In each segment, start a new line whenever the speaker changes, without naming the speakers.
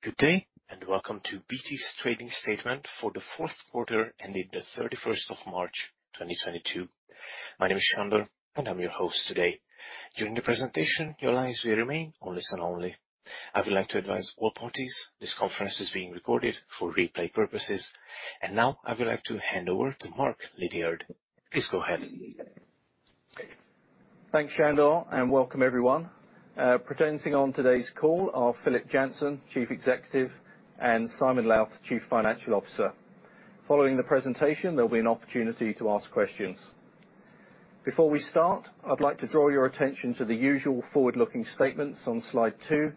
Good day, and welcome to BT's trading statement for the fourth quarter ending the 31st of March, 2022. My name is Sandor, and I'm your host today. During the presentation, your lines will remain on listen only. I would like to advise all parties this conference is being recorded for replay purposes. Now I would like to hand over to Mark Lidiard. Please go ahead.
Thanks, Sandor, and welcome everyone. Presenting on today's call are Philip Jansen, Chief Executive, and Simon Lowth, Chief Financial Officer. Following the presentation, there'll be an opportunity to ask questions. Before we start, I'd like to draw your attention to the usual forward-looking statements on slide two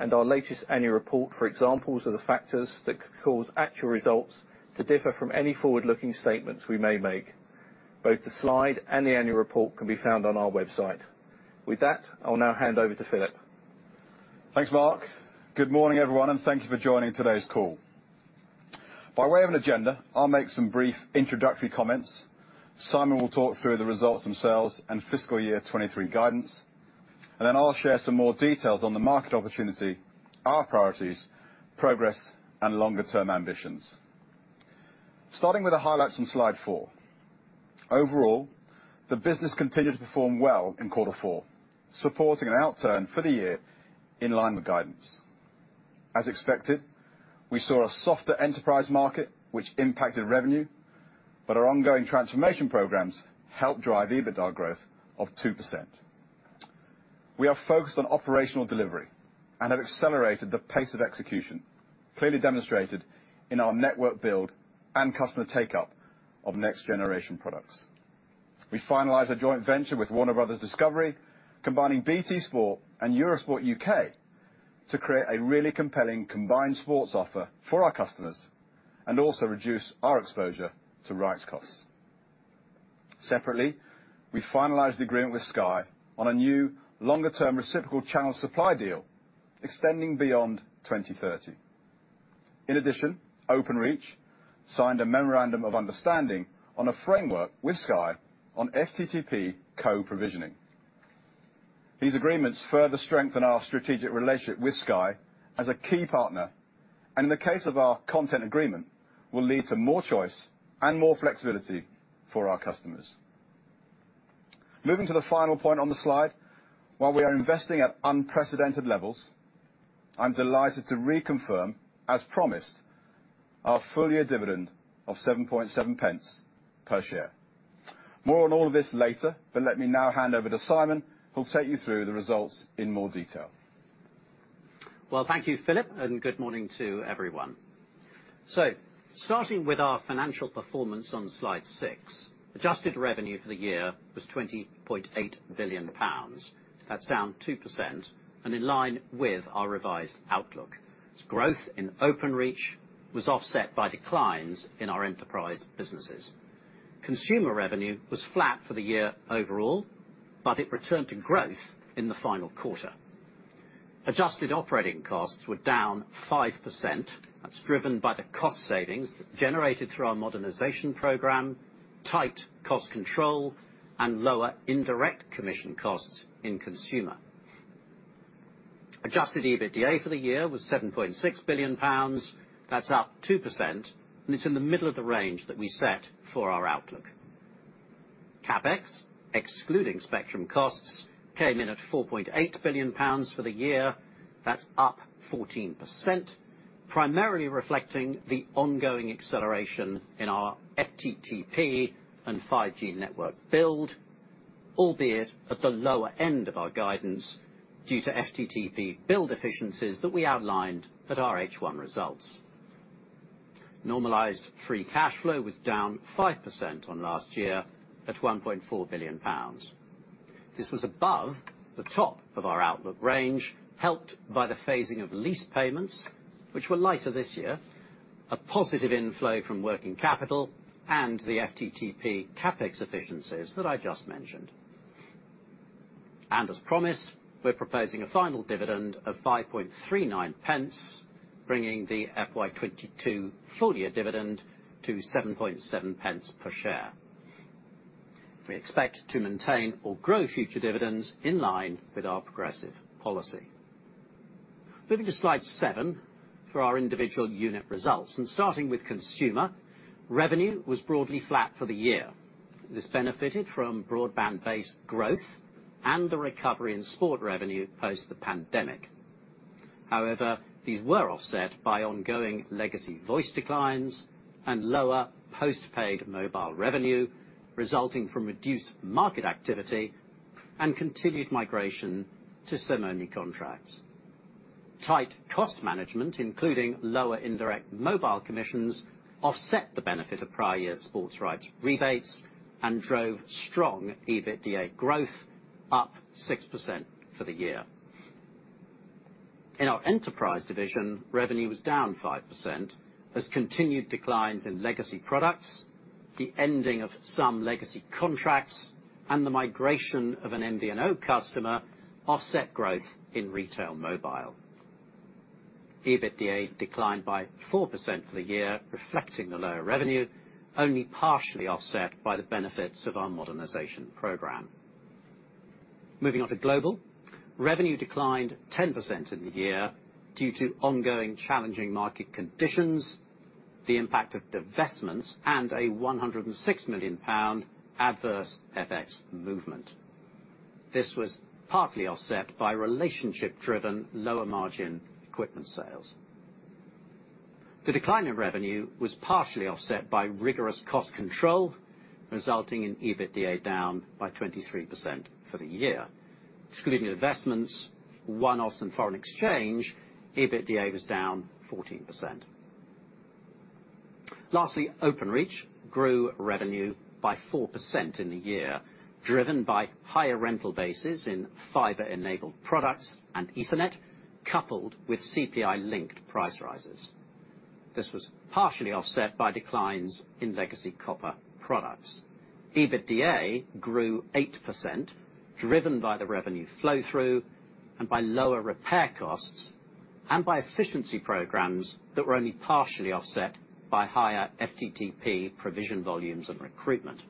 and our latest annual report for examples of the factors that could cause actual results to differ from any forward-looking statements we may make. Both the slide and the annual report can be found on our website. With that, I'll now hand over to Philip.
Thanks, Mark. Good morning, everyone, and thank you for joining today's call. By way of an agenda, I'll make some brief introductory comments. Simon will talk through the results themselves and fiscal year 2023 guidance, and then I'll share some more details on the market opportunity, our priorities, progress, and longer term ambitions. Starting with the highlights on slide 4. Overall, the business continued to perform well in quarter four, supporting an outturn for the year in line with guidance. As expected, we saw a softer enterprise market which impacted revenue, but our ongoing transformation programs helped drive EBITDA growth of 2%. We are focused on operational delivery and have accelerated the pace of execution, clearly demonstrated in our network build and customer take-up of next generation products. We finalized a joint venture with Warner Bros. Discovery. Discovery, combining BT Sport and Eurosport UK to create a really compelling combined sports offer for our customers and also reduce our exposure to rights costs. Separately, we finalized agreement with Sky on a new longer-term reciprocal channel supply deal extending beyond 2030. In addition, Openreach signed a memorandum of understanding on a framework with Sky on FTTP co-provisioning. These agreements further strengthen our strategic relationship with Sky as a key partner, and in the case of our content agreement, will lead to more choice and more flexibility for our customers. Moving to the final point on the slide. While we are investing at unprecedented levels, I'm delighted to reconfirm, as promised, our full-year dividend of 0.077 per share. More on all of this later, but let me now hand over to Simon Lowth, who'll take you through the results in more detail.
Thank you, Philip, and good morning to everyone. Starting with our financial performance on slide 6, adjusted revenue for the year was 20.8 billion pounds. That's down 2% and in line with our revised outlook. Growth in Openreach was offset by declines in our enterprise businesses. Consumer revenue was flat for the year overall, but it returned to growth in the final quarter. Adjusted operating costs were down 5%. That's driven by the cost savings generated through our modernization program, tight cost control, and lower indirect commission costs in consumer. Adjusted EBITDA for the year was 7.6 billion pounds. That's up 2%, and it's in the middle of the range that we set for our outlook. CapEx, excluding spectrum costs, came in at 4.8 billion pounds for the year. That's up 14%, primarily reflecting the ongoing acceleration in our FTTP and 5G network build, albeit at the lower end of our guidance due to FTTP build efficiencies that we outlined at our H1 results. Normalized free cash flow was down 5% on last year at 1.4 billion pounds. This was above the top of our outlook range, helped by the phasing of lease payments, which were lighter this year, a positive inflow from working capital, and the FTTP CapEx efficiencies that I just mentioned. As promised, we're proposing a final dividend of 0.0539, bringing the FY 2022 full-year dividend to 0.077 per share. We expect to maintain or grow future dividends in line with our progressive policy. Moving to slide 7 for our individual unit results, starting with consumer, revenue was broadly flat for the year. This benefited from broadband-based growth and the recovery in sport revenue post the pandemic. However, these were offset by ongoing legacy voice declines and lower post-paid mobile revenue resulting from reduced market activity and continued migration to SIM-only contracts. Tight cost management, including lower indirect mobile commissions, offset the benefit of prior year sports rights rebates and drove strong EBITDA growth up 6% for the year. In our enterprise division, revenue was down 5% as continued declines in legacy products, the ending of some legacy contracts, and the migration of an MVNO customer offset growth in retail mobile. EBITDA declined by 4% for the year, reflecting the lower revenue, only partially offset by the benefits of our modernization program. Moving on to global. Revenue declined 10% in the year due to ongoing challenging market conditions, the impact of divestments, and a 106 million pound adverse FX movement. This was partly offset by relationship-driven, lower margin equipment sales. The decline in revenue was partially offset by rigorous cost control, resulting in EBITDA down by 23% for the year. Excluding the investments, one-offs, and foreign exchange, EBITDA was down 14%. Lastly, Openreach grew revenue by 4% in the year, driven by higher rental bases in fiber-enabled products and Ethernet, coupled with CPI-linked price rises. This was partially offset by declines in legacy copper products. EBITDA grew 8%, driven by the revenue flow through and by lower repair costs, and by efficiency programs that were only partially offset by higher FTTP provision volumes and recruitment.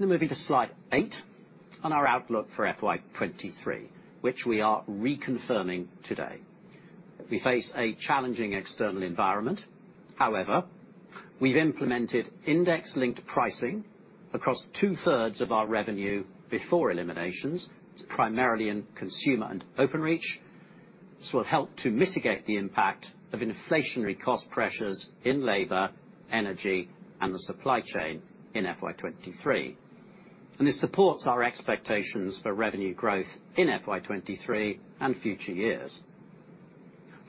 Now moving to slide 8 on our outlook for FY 2023, which we are reconfirming today. We face a challenging external environment. However, we've implemented index-linked pricing across two-thirds of our revenue before eliminations. It's primarily in Consumer and Openreach. This will help to mitigate the impact of inflationary cost pressures in labor, energy, and the supply chain in FY 2023. This supports our expectations for revenue growth in FY 2023 and future years.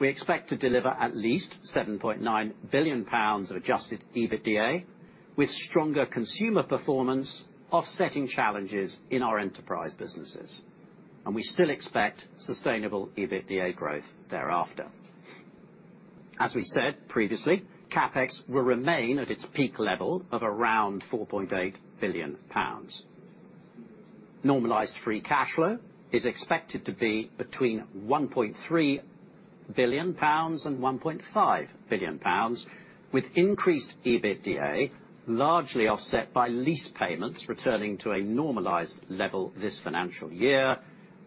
We expect to deliver at least 7.9 billion pounds of adjusted EBITDA, with stronger consumer performance offsetting challenges in our enterprise businesses. We still expect sustainable EBITDA growth thereafter. As we said previously, CapEx will remain at its peak level of around 4.8 billion pounds. Normalized free cash flow is expected to be between 1.3 billion pounds and 1.5 billion pounds, with increased EBITDA largely offset by lease payments returning to a normalized level this financial year,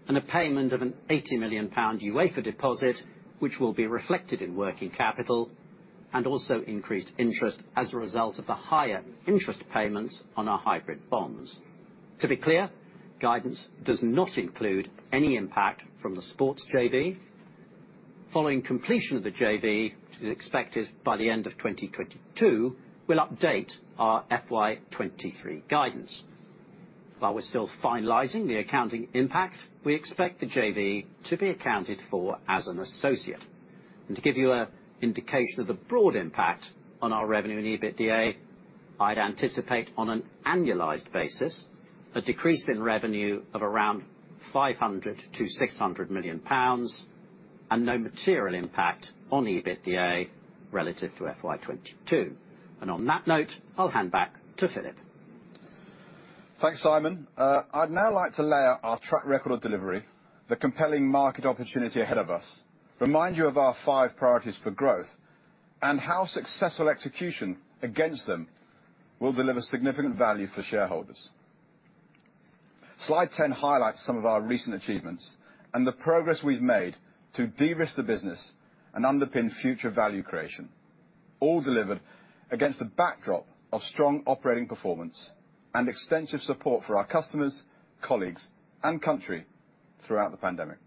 and a payment of a 80 million pound UEFA deposit, which will be reflected in working capital, and also increased interest as a result of the higher interest payments on our hybrid bonds. To be clear, guidance does not include any impact from the sports JV. Following completion of the JV, which is expected by the end of 2022, we'll update our FY 2023 guidance. While we're still finalizing the accounting impact, we expect the JV to be accounted for as an associate. To give you an indication of the broad impact on our revenue and EBITDA, I'd anticipate on an annualized basis a decrease in revenue of around 500 million-600 million pounds and no material impact on EBITDA relative to FY 2022. On that note, I'll hand back to Philip.
Thanks, Simon. I'd now like to lay out our track record of delivery, the compelling market opportunity ahead of us, remind you of our five priorities for growth, and how successful execution against them will deliver significant value for shareholders. Slide 10 highlights some of our recent achievements and the progress we've made to de-risk the business and underpin future value creation, all delivered against a backdrop of strong operating performance and extensive support for our customers, colleagues, and country throughout the pandemic.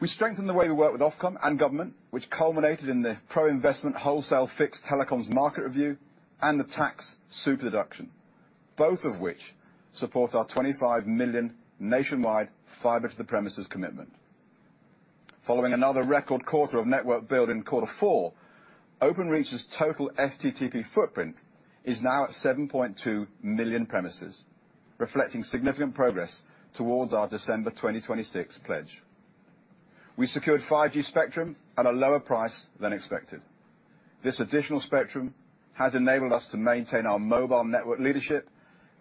We strengthened the way we work with Ofcom and government, which culminated in the pro-investment wholesale fixed telecoms market review and the tax super deduction, both of which support our 25 million nationwide fiber to the premises commitment. Following another record quarter of network build in quarter four, Openreach's total FTTP footprint is now at 7.2 million premises, reflecting significant progress towards our December 2026 pledge. We secured 5G spectrum at a lower price than expected. This additional spectrum has enabled us to maintain our mobile network leadership,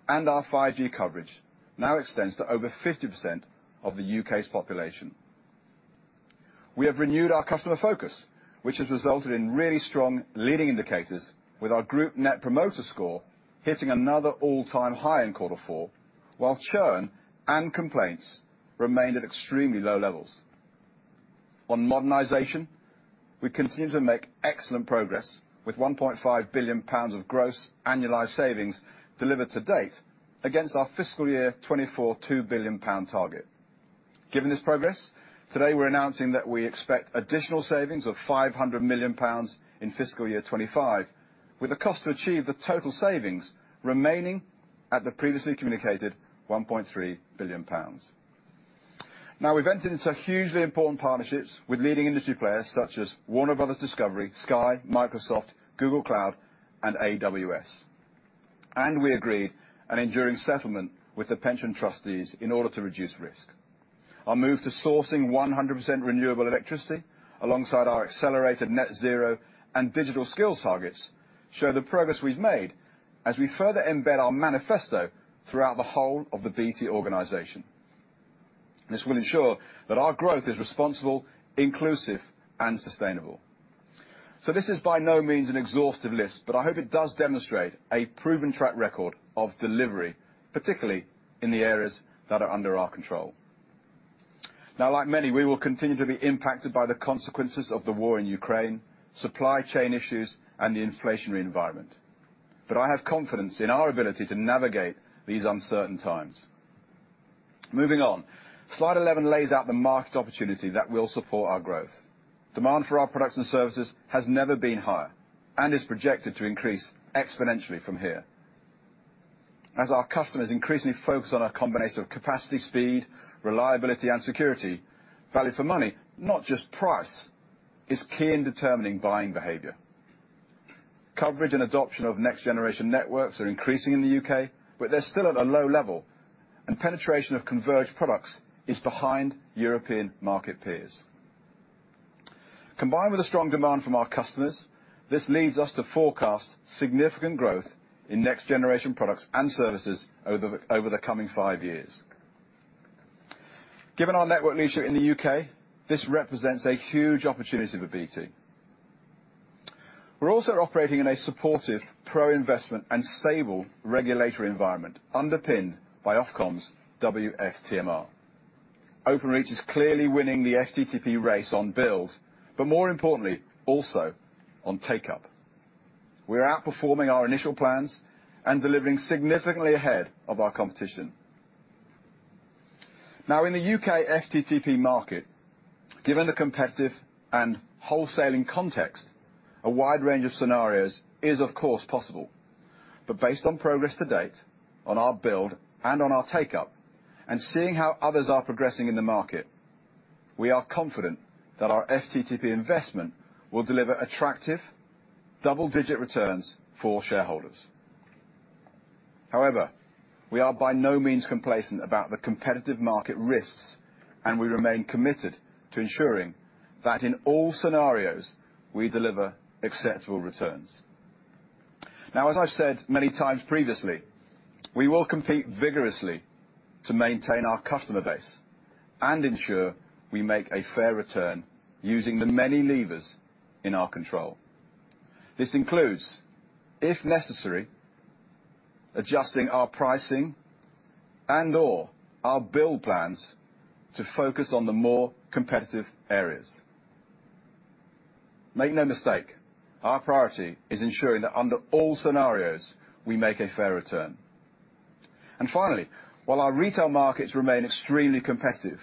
and our 5G coverage now extends to over 50% of the U.K.'s population. We have renewed our customer focus, which has resulted in really strong leading indicators with our group net promoter score hitting another all-time high in quarter four, while churn and complaints remained at extremely low levels. On modernization, we continue to make excellent progress with 1.5 billion pounds of gross annualized savings delivered to date against our fiscal year 2024 2 billion pound target. Given this progress, today we're announcing that we expect additional savings of 500 million pounds in fiscal year 2025, with the cost to achieve the total savings remaining at the previously communicated 1.3 billion pounds. Now, we've entered into hugely important partnerships with leading industry players such as Warner Bros. Discovery, Sky, Microsoft, Google Cloud, and AWS. We agreed an enduring settlement with the pension trustees in order to reduce risk. Our move to sourcing 100% renewable electricity alongside our accelerated net zero and digital skill targets show the progress we've made as we further embed our manifesto throughout the whole of the BT organization. This will ensure that our growth is responsible, inclusive, and sustainable. This is by no means an exhaustive list, but I hope it does demonstrate a proven track record of delivery, particularly in the areas that are under our control. Now like many, we will continue to be impacted by the consequences of the war in Ukraine, supply chain issues, and the inflationary environment. I have confidence in our ability to navigate these uncertain times. Moving on. Slide 11 lays out the market opportunity that will support our growth. Demand for our products and services has never been higher and is projected to increase exponentially from here. As our customers increasingly focus on a combination of capacity, speed, reliability, and security, value for money, not just price, is key in determining buying behavior. Coverage and adoption of next-generation networks are increasing in the UK, but they're still at a low level, and penetration of converged products is behind European market peers. Combined with a strong demand from our customers, this leads us to forecast significant growth in next-generation products and services over the coming 5 years. Given our network leadership in the UK, this represents a huge opportunity for BT. We're also operating in a supportive pro-investment and stable regulatory environment underpinned by Ofcom's WFTMR. Openreach is clearly winning the FTTP race on build, but more importantly, also on take-up. We're outperforming our initial plans and delivering significantly ahead of our competition. Now in the UK FTTP market, given the competitive and wholesaling context, a wide range of scenarios is of course possible. Based on progress to date, on our build and on our take-up, and seeing how others are progressing in the market, we are confident that our FTTP investment will deliver attractive double-digit returns for shareholders. However, we are by no means complacent about the competitive market risks, and we remain committed to ensuring that in all scenarios, we deliver acceptable returns. Now as I've said many times previously, we will compete vigorously to maintain our customer base and ensure we make a fair return using the many levers in our control. This includes, if necessary, adjusting our pricing and/or our billing plans to focus on the more competitive areas. Make no mistake, our priority is ensuring that under all scenarios, we make a fair return. Finally, while our retail markets remain extremely competitive,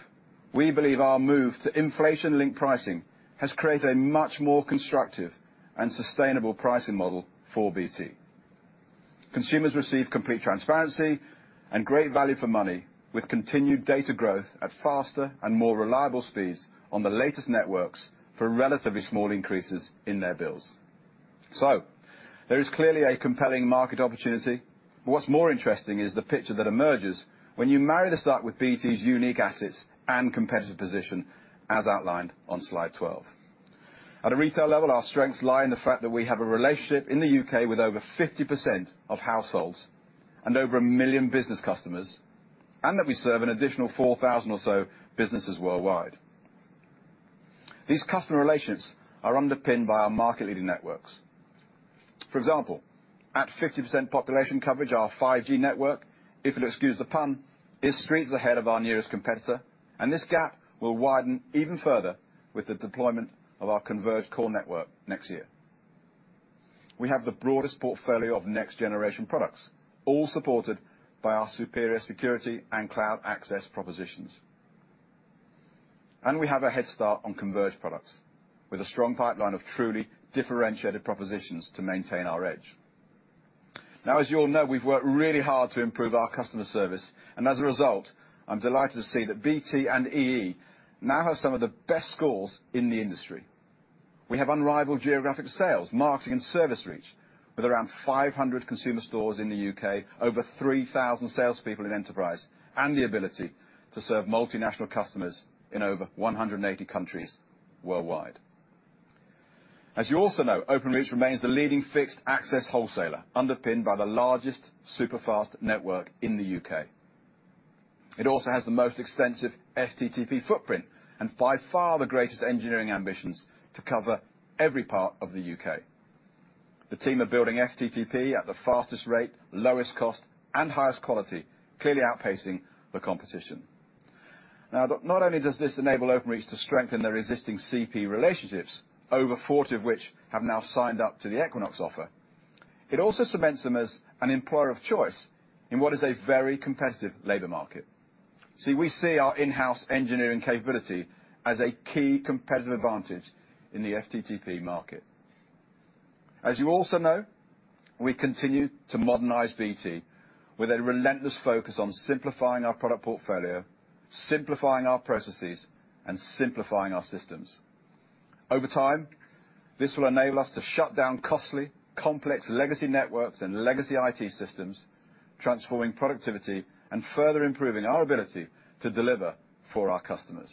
we believe our move to inflation-linked pricing has created a much more constructive and sustainable pricing model for BT. Consumers receive complete transparency and great value for money, with continued data growth at faster and more reliable speeds on the latest networks for relatively small increases in their bills. There is clearly a compelling market opportunity. What's more interesting is the picture that emerges when you marry this up with BT's unique assets and competitive position as outlined on slide 12. At a retail level, our strengths lie in the fact that we have a relationship in the U.K. with over 50% of households and over 1 million business customers, and that we serve an additional 4,000 or so businesses worldwide. These customer relations are underpinned by our market-leading networks. For example, at 50% population coverage, our 5G network, if you'll excuse the pun, is streets ahead of our nearest competitor, and this gap will widen even further with the deployment of our converged core network next year. We have the broadest portfolio of next-generation products, all supported by our superior security and cloud access propositions. We have a head start on converged products with a strong pipeline of truly differentiated propositions to maintain our edge. Now as you all know, we've worked really hard to improve our customer service, and as a result, I'm delighted to see that BT and EE now have some of the best scores in the industry. We have unrivaled geographic sales, marketing, and service reach with around 500 consumer stores in the UK, over 3,000 sales people in enterprise, and the ability to serve multinational customers in over 180 countries worldwide. As you also know, Openreach remains the leading fixed access wholesaler underpinned by the largest super fast network in the UK. It also has the most extensive FTTP footprint and by far the greatest engineering ambitions to cover every part of the UK. The team are building FTTP at the fastest rate, lowest cost, and highest quality, clearly outpacing the competition. Now, not only does this enable Openreach to strengthen their existing CP relationships, over 40 of which have now signed up to the Equinox offer, it also cements them as an employer of choice in what is a very competitive labor market. See, we see our in-house engineering capability as a key competitive advantage in the FTTP market. As you also know, we continue to modernize BT with a relentless focus on simplifying our product portfolio, simplifying our processes, and simplifying our systems. Over time, this will enable us to shut down costly, complex legacy networks and legacy IT systems, transforming productivity and further improving our ability to deliver for our customers.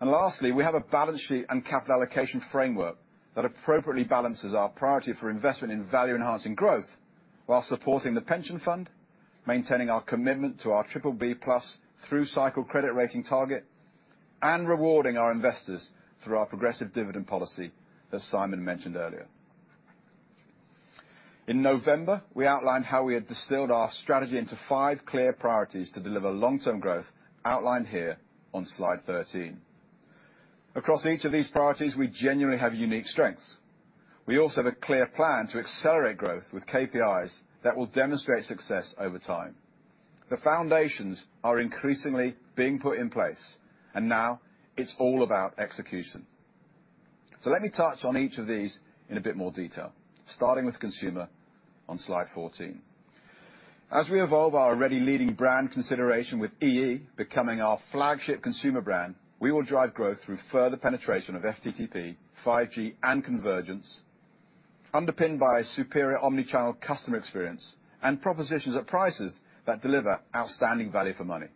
Lastly, we have a balance sheet and capital allocation framework that appropriately balances our priority for investment in value-enhancing growth while supporting the pension fund, maintaining our commitment to our BBB+ through cycle credit rating target, and rewarding our investors through our progressive dividend policy, as Simon mentioned earlier. In November, we outlined how we had distilled our strategy into 5 clear priorities to deliver long-term growth outlined here on slide 13. Across each of these priorities, we genuinely have unique strengths. We also have a clear plan to accelerate growth with KPIs that will demonstrate success over time. The foundations are increasingly being put in place, and now it's all about execution. Let me touch on each of these in a bit more detail, starting with consumer on slide 14. As we evolve our already leading brand consideration, with EE becoming our flagship consumer brand, we will drive growth through further penetration of FTTP, 5G, and convergence, underpinned by superior omni-channel customer experience and propositions at prices that deliver outstanding value for money.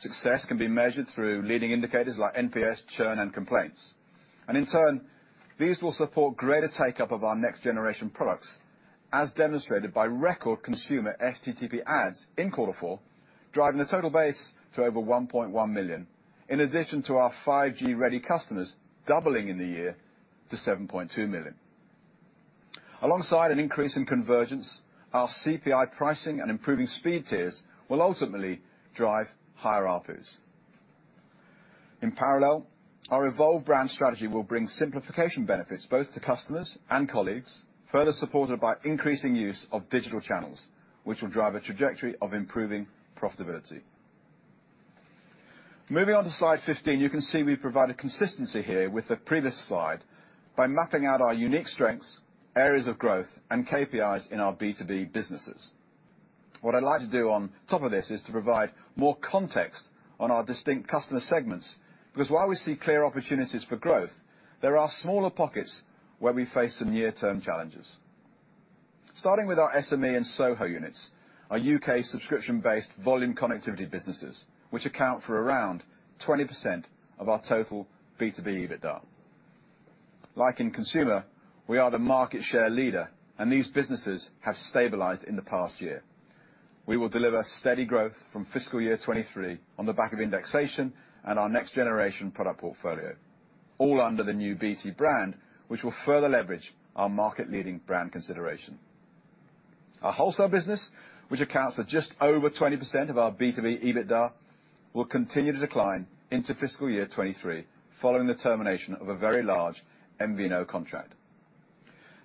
Success can be measured through leading indicators like NPS, churn, and complaints. In turn, these will support greater take-up of our next generation products, as demonstrated by record consumer FTTP adds in quarter four, driving the total base to over 1.1 million, in addition to our 5G-ready customers doubling in the year to 7.2 million. Alongside an increase in convergence, our CPI pricing and improving speed tiers will ultimately drive higher ARPU. In parallel, our evolved brand strategy will bring simplification benefits both to customers and colleagues, further supported by increasing use of digital channels, which will drive a trajectory of improving profitability. Moving on to slide 15, you can see we've provided consistency here with the previous slide by mapping out our unique strengths, areas of growth, and KPIs in our B2B businesses. What I'd like to do on top of this is to provide more context on our distinct customer segments, because while we see clear opportunities for growth, there are smaller pockets where we face some near-term challenges. Starting with our SME and SOHO units, our UK subscription-based volume connectivity businesses, which account for around 20% of our total B2B EBITDA. Like in consumer, we are the market share leader, and these businesses have stabilized in the past year. We will deliver steady growth from fiscal year 2023 on the back of indexation and our next generation product portfolio, all under the new BT brand, which will further leverage our market-leading brand consideration. Our wholesale business, which accounts for just over 20% of our B2B EBITDA, will continue to decline into fiscal year 2023, following the termination of a very large MVNO contract.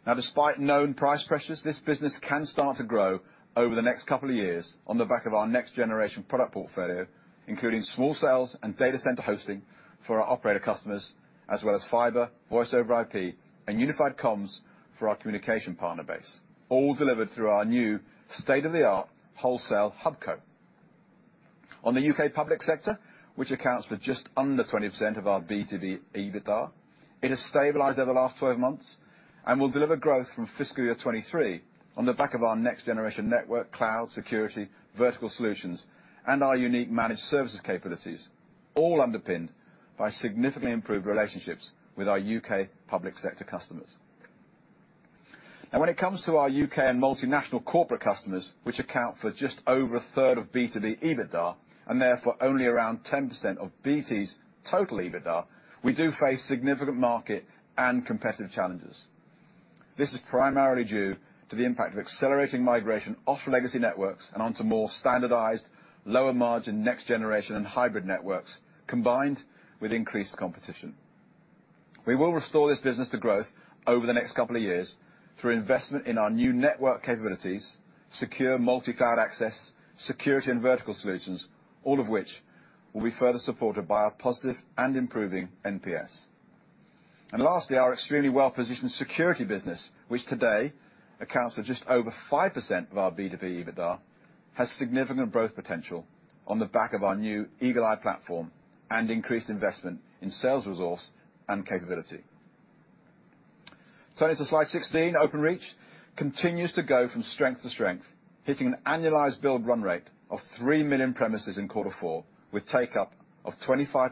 Now, despite known price pressures, this business can start to grow over the next couple of years on the back of our next generation product portfolio, including small cells and data center hosting for our operator customers, as well as fiber, voice over IP, and unified comms for our communication partner base, all delivered through our new state-of-the-art Wholesale Hub. On the UK public sector, which accounts for just under 20% of our B2B EBITDA, it has stabilized over the last 12 months and will deliver growth from fiscal year 2023 on the back of our next generation network cloud, security, vertical solutions, and our unique managed services capabilities, all underpinned by significantly improved relationships with our UK public sector customers. Now when it comes to our UK and multinational corporate customers, which account for just over a third of B2B EBITDA, and therefore only around 10% of BT's total EBITDA, we do face significant market and competitive challenges. This is primarily due to the impact of accelerating migration off legacy networks and onto more standardized, lower margin, next generation and hybrid networks, combined with increased competition. We will restore this business to growth over the next couple of years through investment in our new network capabilities, secure multi-cloud access, security and vertical solutions, all of which will be further supported by our positive and improving NPS. Lastly, our extremely well-positioned security business, which today accounts for just over 5% of our B2B EBITDA, has significant growth potential on the back of our new Eagle-i platform and increased investment in sales resource and capability. Turning to slide 16, Openreach continues to go from strength to strength, hitting an annualized build run rate of 3 million premises in quarter four, with take up of 25%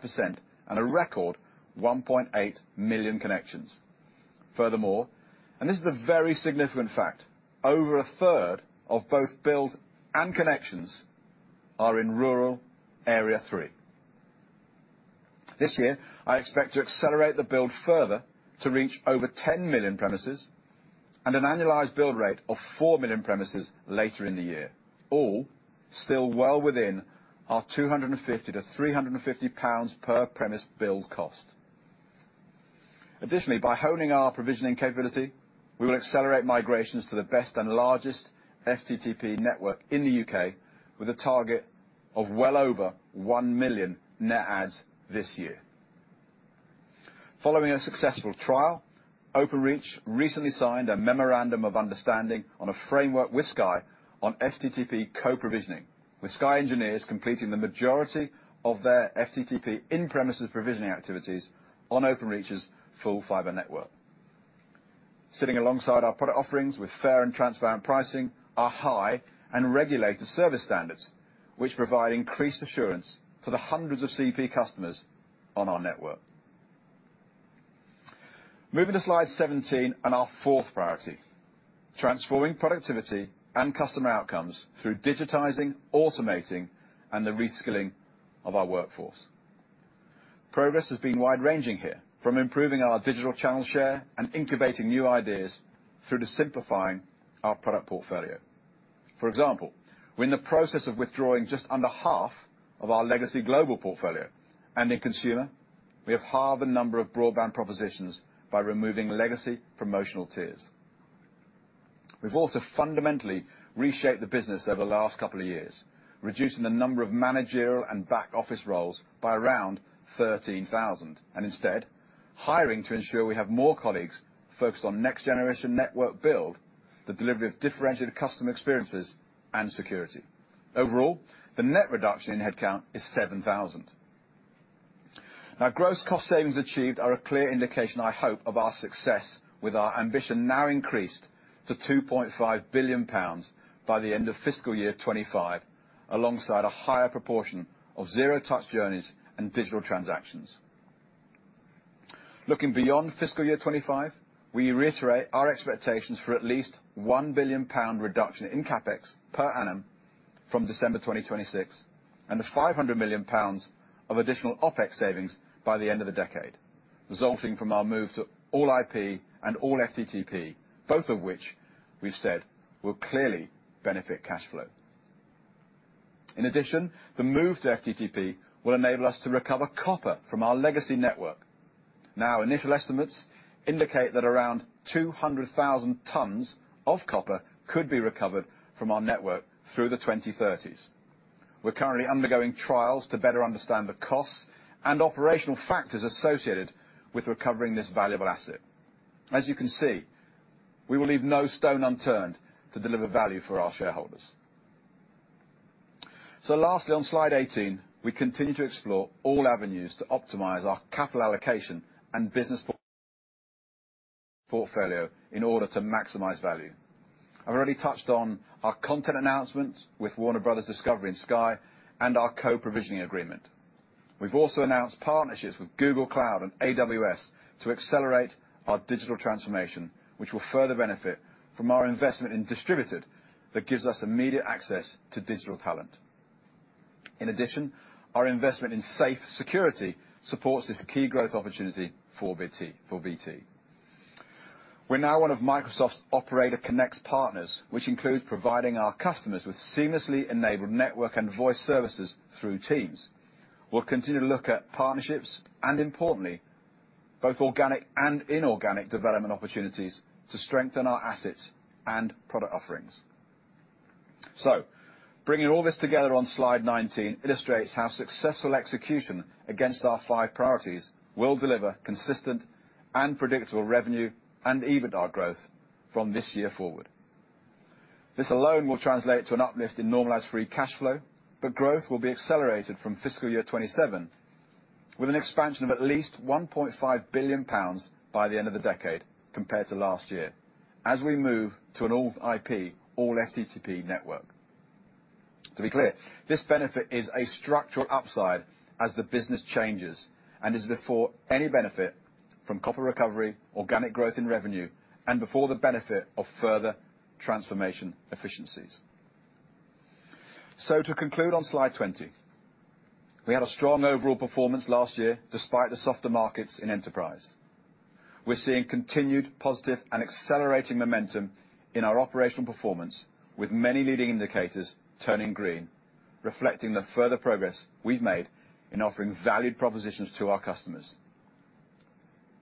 and a record 1.8 million connections. Furthermore, and this is a very significant fact, over a third of both build and connections are in rural Area 3. This year, I expect to accelerate the build further to reach over 10 million premises and an annualized build rate of 4 million premises later in the year. All still well within our 250-350 pounds per premise build cost. Additionally, by honing our provisioning capability, we will accelerate migrations to the best and largest FTTP network in the UK with a target of well over 1 million net adds this year. Following a successful trial, Openreach recently signed a memorandum of understanding on a framework with Sky on FTTP co-provisioning, with Sky engineers completing the majority of their FTTP in-premises provisioning activities on Openreach's full fiber network. Sitting alongside our product offerings with fair and transparent pricing are high and regulated service standards, which provide increased assurance to the hundreds of CP customers on our network. Moving to slide 17 and our fourth priority, transforming productivity and customer outcomes through digitizing, automating, and the reskilling of our workforce. Progress has been wide-ranging here, from improving our digital channel share and incubating new ideas through to simplifying our product portfolio. For example, we're in the process of withdrawing just under half of our legacy global portfolio, and in consumer, we have halved the number of broadband propositions by removing legacy promotional tiers. We've also fundamentally reshaped the business over the last couple of years, reducing the number of managerial and back-office roles by around 13,000 and instead hiring to ensure we have more colleagues focused on next generation network build, the delivery of differentiated customer experiences, and security. Overall, the net reduction in headcount is 7,000. Now, gross cost savings achieved are a clear indication, I hope, of our success with our ambition now increased to 2.5 billion pounds by the end of fiscal year 2025, alongside a higher proportion of zero touch journeys and digital transactions. Looking beyond fiscal year 2025, we reiterate our expectations for at least 1 billion pound reduction in CapEx per annum from December 2026, and the 500 million pounds of additional OpEx savings by the end of the decade, resulting from our move to All-IP and all FTTP, both of which we've said will clearly benefit cash flow. In addition, the move to FTTP will enable us to recover copper from our legacy network. Now, initial estimates indicate that around 200,000 tons of copper could be recovered from our network through the 2030s. We're currently undergoing trials to better understand the costs and operational factors associated with recovering this valuable asset. As you can see, we will leave no stone unturned to deliver value for our shareholders. Lastly, on slide 18, we continue to explore all avenues to optimize our capital allocation and business portfolio in order to maximize value. I've already touched on our content announcement with Warner Bros. Discovery and Sky and our co-provisioning agreement. We've also announced partnerships with Google Cloud and AWS to accelerate our digital transformation, which will further benefit from our investment in Distributed that gives us immediate access to digital talent. In addition, our investment in Safe Security supports this key growth opportunity for BT. We're now one of Microsoft's Operator Connect partners, which includes providing our customers with seamlessly enabled network and voice services through Teams. We'll continue to look at partnerships and, importantly, both organic and inorganic development opportunities to strengthen our assets and product offerings. Bringing all this together on slide 19 illustrates how successful execution against our five priorities will deliver consistent and predictable revenue and EBITDA growth from this year forward. This alone will translate to an uplift in normalized free cash flow, but growth will be accelerated from fiscal year 2027, with an expansion of at least 1.5 billion pounds by the end of the decade compared to last year as we move to an All-IP, all FTTP network. To be clear, this benefit is a structural upside as the business changes and is before any benefit from copper recovery, organic growth in revenue, and before the benefit of further transformation efficiencies. To conclude on slide 20, we had a strong overall performance last year despite the softer markets in enterprise. We're seeing continued positive and accelerating momentum in our operational performance with many leading indicators turning green, reflecting the further progress we've made in offering valued propositions to our customers.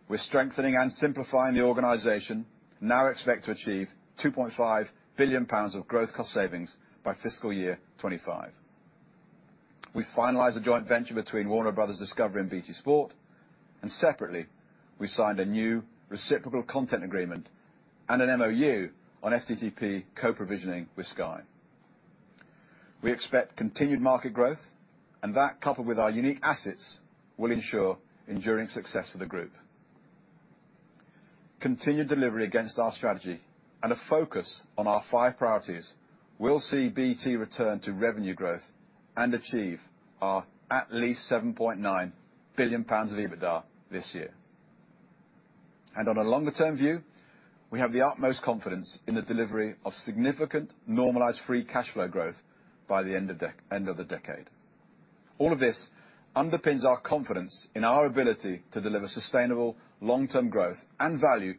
We're strengthening and simplifying the organization, now expect to achieve 2.5 billion pounds of growth cost savings by fiscal year 2025. We finalized a joint venture between Warner Bros. Discovery and BT Sport, and separately, we signed a new reciprocal content agreement and an MoU on FTTP co-provisioning with Sky. We expect continued market growth, and that, coupled with our unique assets, will ensure enduring success for the group. Continued delivery against our strategy and a focus on our five priorities will see BT return to revenue growth and achieve our at least 7.9 billion pounds of EBITDA this year. On a longer-term view, we have the utmost confidence in the delivery of significant normalized free cash flow growth by the end of the decade. All of this underpins our confidence in our ability to deliver sustainable long-term growth and value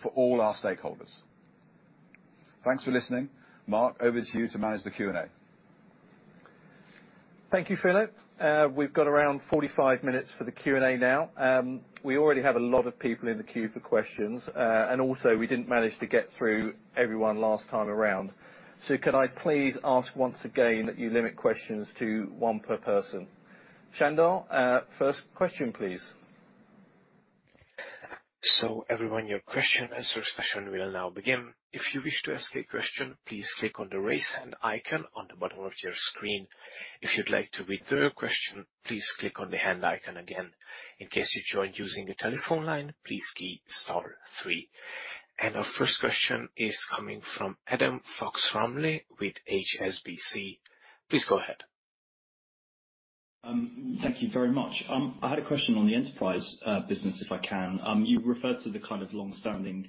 for all our stakeholders. Thanks for listening. Mark, over to you to manage the Q&A.
Thank you, Philip. We've got around 45 minutes for the Q&A now. We already have a lot of people in the queue for questions, and also we didn't manage to get through everyone last time around. Could I please ask once again that you limit questions to one per person? Sandor, first question, please.
Everyone, your question and search session will now begin. If you wish to ask a question, please click on the Raise Hand icon on the bottom of your screen. If you'd like to withdraw your question, please click on the Hand icon again. In case you joined using a telephone line, please key star three. Our first question is coming from Adam Fox-Rumley with HSBC. Please go ahead.
Thank you very much. I had a question on the enterprise business, if I can. You referred to the long-standing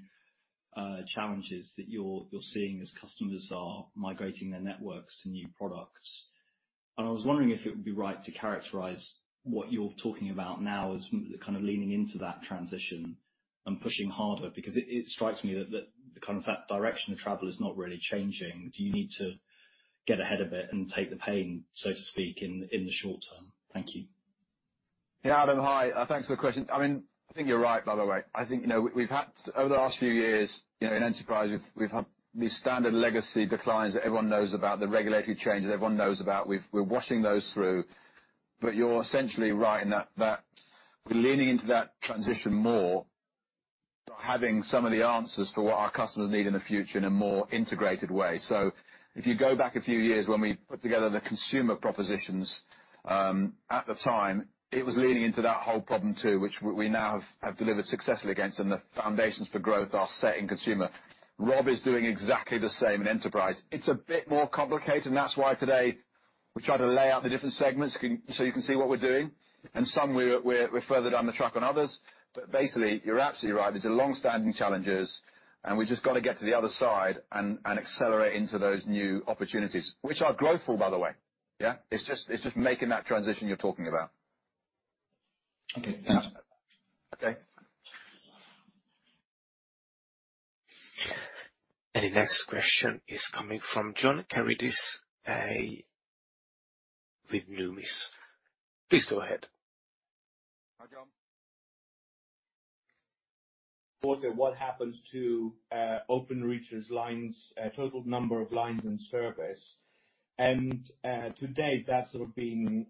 challenges that you're seeing as customers are migrating their networks to new products, and I was wondering if it would be right to characterize what you're talking about now as leaning into that transition and pushing harder. Because it strikes me that the direction of travel is not really changing. Do you need to get ahead of it and take the pain, so to speak, in the short term? Thank you.
Yeah. Adam, hi. Thanks for the question. I think you're right, by the way. I think, we've had over the last few years in enterprise, we've had these standard legacy declines that everyone knows about, the regulatory changes everyone knows about. We're washing those through. You're essentially right in that we're leaning into that transition more, having some of the answers for what our customers need in the future in a more integrated way. If you go back a few years when we put together the consumer propositions, at the time, it was leaning into that whole problem too, which we now have delivered successfully against, and the foundations for growth are set in consumer. Rob is doing exactly the same in enterprise. It's a bit more complicated, and that's why today we try to lay out the different segments so you can see what we're doing. Some we're further down the track than others. Basically, you're absolutely right. These are long-standing challenges, and we've just gotta get to the other side and accelerate into those new opportunities, which are growthful, by the way. Yeah. It's just making that transition you're talking about.
Okay.
Okay.
The next question is coming from John Karidis, with Numis. Please go ahead.
Hi, John.
Thought of what happens to Openreach's lines, total number of lines in service. To date, that's been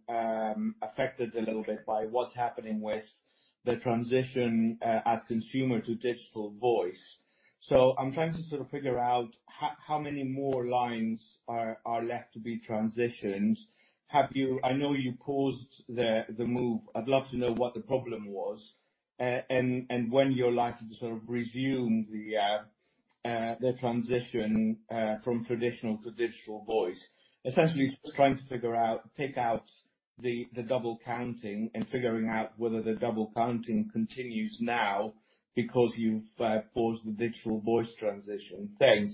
affected a little bit by what's happening with the transition at consumer to digital voice. I'm trying to figure out how many more lines are left to be transitioned. I know you paused the move. I'd love to know what the problem was, and when you're likely to resume the transition from traditional to digital voice. Essentially just trying to figure out, take out the double counting and figuring out whether the double counting continues now because you've paused the digital voice transition. Thanks.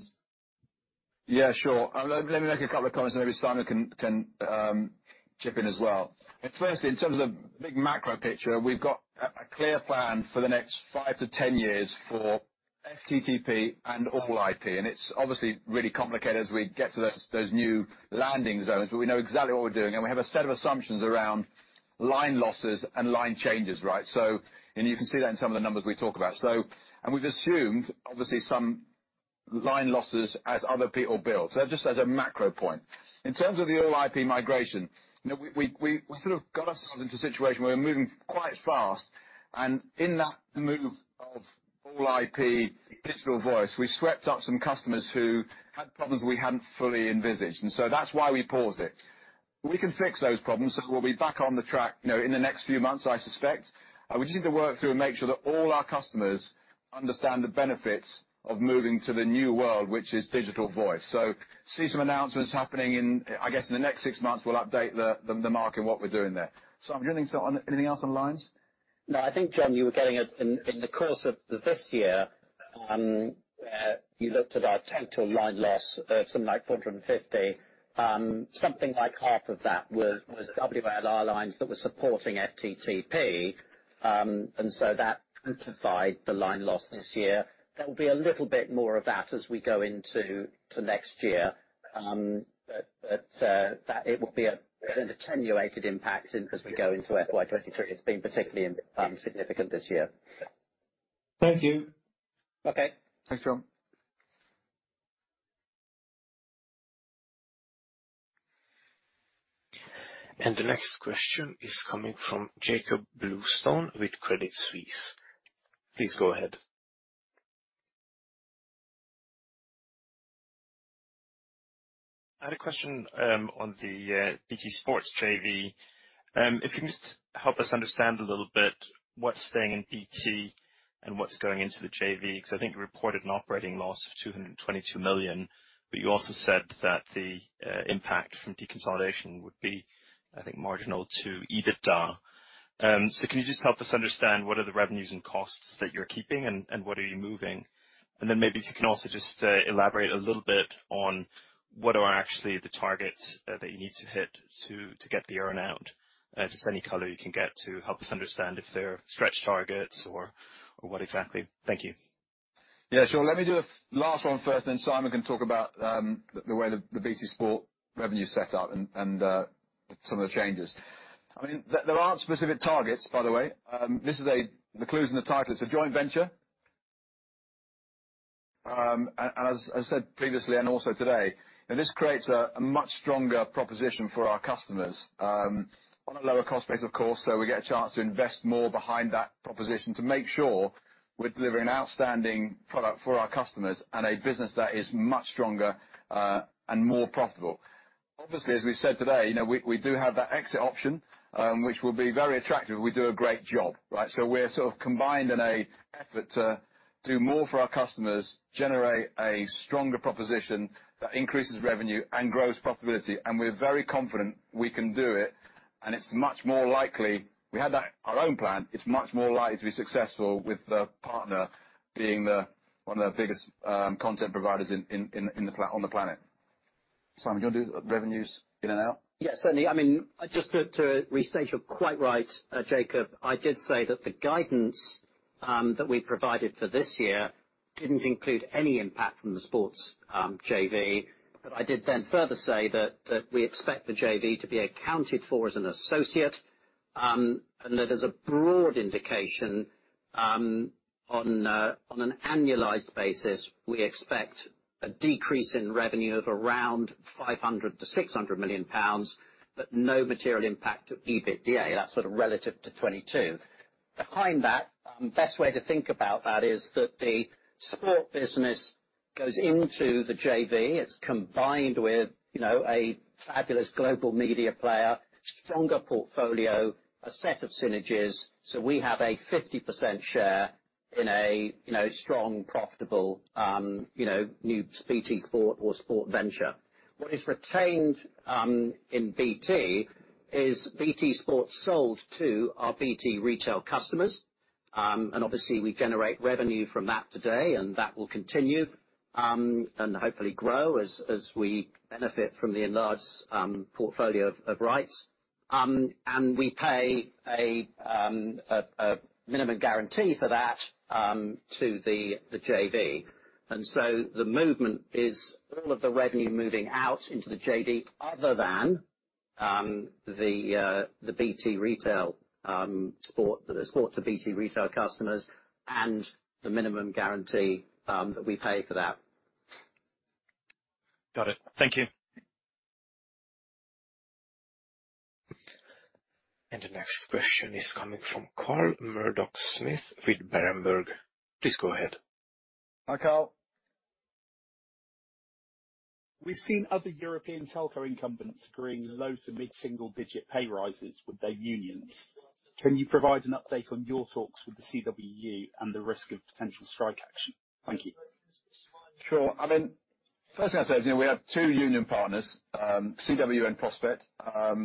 Yeah, sure. Let me make a couple of comments, and maybe Simon can chip in as well. Firstly, in terms of big macro picture, we've got a clear plan for the next 5-10 years for FTTP and All-IP, and it's obviously really complicated as we get to those new landing zones. But we know exactly what we're doing, and we have a set of assumptions around line losses and line changes. You can see that in some of the numbers we talk about. We've assumed, obviously, some line losses as other people build. Just as a macro point. In terms of the All-IP migration we got ourselves into a situation where we're moving quite fast, and in that move of All-IP digital voice, we swept up some customers who had problems that we hadn't fully envisioned, and so that's why we paused it. We can fix those problems. We'll be back on the track in the next few months, I suspect. We just need to work through and make sure that all our customers understand the benefits of moving to the new world, which is digital voice. See some announcements happening in the next six months, we'll update the market what we're doing there. Simon, do you have any thoughts on anything else on lines?
No, I think, John, you were getting at in the course of this year, you looked at our total line loss of something like 450. Something like half of that was WLR lines that were supporting FTTP. That amplified the line loss this year. There will be a little bit more of that as we go into next year. That it will be an attenuated impact as we go into FY 2023. It's been particularly significant this year.
Thank you.
Okay. Thanks, John.
The next question is coming from Jakob Bluestone with Credit Suisse. Please go ahead.
I had a question on the BT Sport JV. If you could just help us understand a little bit what's staying in BT and what's going into the JV, 'cause I think you reported an operating loss of 222 million, but you also said that the impact from deconsolidation would be, I think, marginal to EBITDA. So can you just help us understand what are the revenues and costs that you're keeping and what are you moving? Then maybe if you can also just elaborate a little bit on what are actually the targets that you need to hit to get the earn out. Just any color you can get to help us understand if they're stretch targets or what exactly. Thank you.
Yeah, sure. Let me do the last one first, then Simon can talk about the way the BT Sport revenue set up and some of the changes. There aren't specific targets, by the way. This is the clue's in the title. It's a joint venture. As I said previously and also today, this creates a much stronger proposition for our customers on a lower cost base, of course. We get a chance to invest more behind that proposition to make sure we're delivering outstanding product for our customers and a business that is much stronger and more profitable. Obviously, as we've said today we do have that exit option, which will be very attractive if we do a great job. We're combined in an effort to do more for our customers, generate a stronger proposition that increases revenue and grows profitability, and we're very confident we can do it, and it's much more likely. We had that, our own plan, it's much more likely to be successful with the partner being one of the biggest content providers on the planet. Simon, do you wanna do the revenues in and out?
Yes, certainly. Just to restate, you're quite right, Jakob, I did say that the guidance that we provided for this year didn't include any impact from the sports JV. I did then further say that we expect the JV to be accounted for as an associate, and that as a broad indication, on an annualized basis, we expect a decrease in revenue of around 500 million-600 million pounds, but no material impact to EBITDA. That's relative to 2022. Behind that, best way to think about that is that the sport business goes into the JV. It's combined with a fabulous global media player, stronger portfolio, a set of synergies. We have a 50% share in a strong, profitable, new BT Sport or sport venture. What is retained in BT is BT Sport sold to our BT Retail customers. Obviously we generate revenue from that today, and that will continue, and hopefully grow as we benefit from the enlarged portfolio of rights. We pay a minimum guarantee for that to the JV. The movement is all of the revenue moving out into the JV, other than the BT Retail sport to BT Retail customers and the minimum guarantee that we pay for that.
Got it. Thank you.
The next question is coming from Carl Murdock-Smith with Berenberg. Please go ahead.
Hi, Carl.
We've seen other European telco incumbents agreeing low to mid-single digit pay raises with their unions. Can you provide an update on your talks with the CWU and the risk of potential strike action? Thank you.
Sure. First thing I'd say is we have two union partners, CWU and Prospect. We have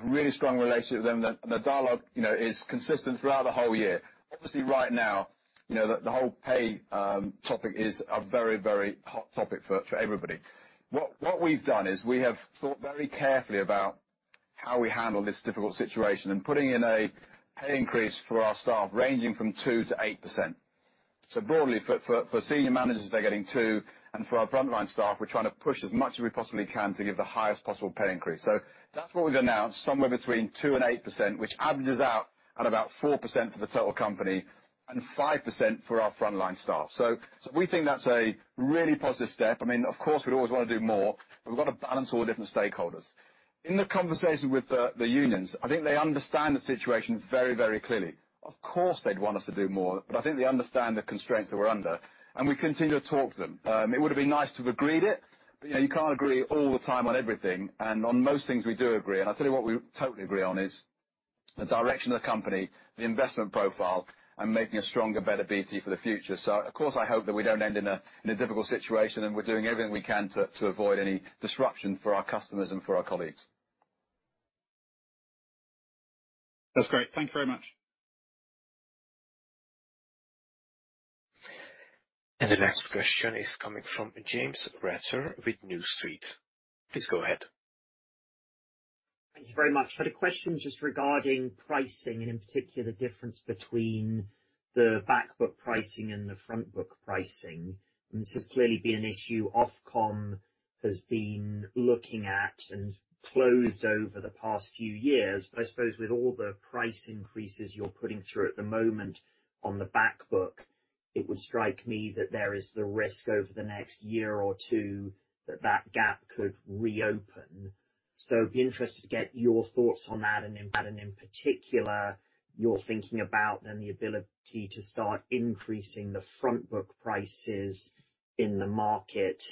a really strong relationship with them. The dialogue is consistent throughout the whole year. Obviously, right now the whole pay topic is a very, very hot topic for everybody. What we've done is we have thought very carefully about how we handle this difficult situation and putting in a pay increase for our staff ranging from 2%-8%. Broadly, for senior managers, they're getting 2%, and for our frontline staff, we're trying to push as much as we possibly can to give the highest possible pay increase. That's what we've announced, somewhere between 2% and 8%, which averages out at about 4% for the total company and 5% for our frontline staff. We think that's a really positive step. Of course, we'd always wanna do more, but we've got to balance all the different stakeholders. In the conversation with the unions, I think they understand the situation very, very clearly. Of course, they'd want us to do more, but I think they understand the constraints that we're under, and we continue to talk to them. It would've been nice to have agreed it, but you can't agree all the time on everything. On most things, we do agree. I tell you what we totally agree on is the direction of the company, the investment profile, and making a stronger, better BT for the future. Of course, I hope that we don't end in a difficult situation, and we're doing everything we can to avoid any disruption for our customers and for our colleagues.
That's great. Thank you very much.
The next question is coming from James Ratzer with New Street Research. Please go ahead.
Thank you very much. Had a question just regarding pricing, and in particular, the difference between the back book pricing and the front book pricing. This has clearly been an issue. Ofcom has been looking at and closed over the past few years. I suppose with all the price increases you're putting through at the moment on the back book, it would strike me that there is the risk over the next year or two that that gap could reopen. Be interested to get your thoughts on that, and in particular, your thinking about then the ability to start increasing the front book prices in the market,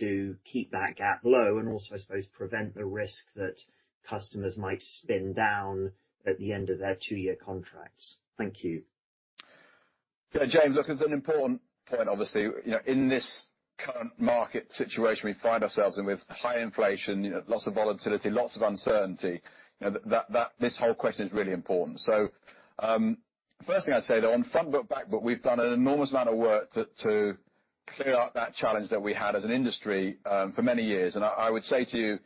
to keep that gap low and also, I suppose, prevent the risk that customers might spin down at the end of their two-year contracts. Thank you.
Yeah, James, look, it's an important point, obviously. In this current market situation we find ourselves in with high inflation, lots of volatility, lots of uncertainty, that this whole question is really important. First thing I'd say, though, on front book, back book, we've done an enormous amount of work to clear up that challenge that we had as an industry for many years. I would say to you,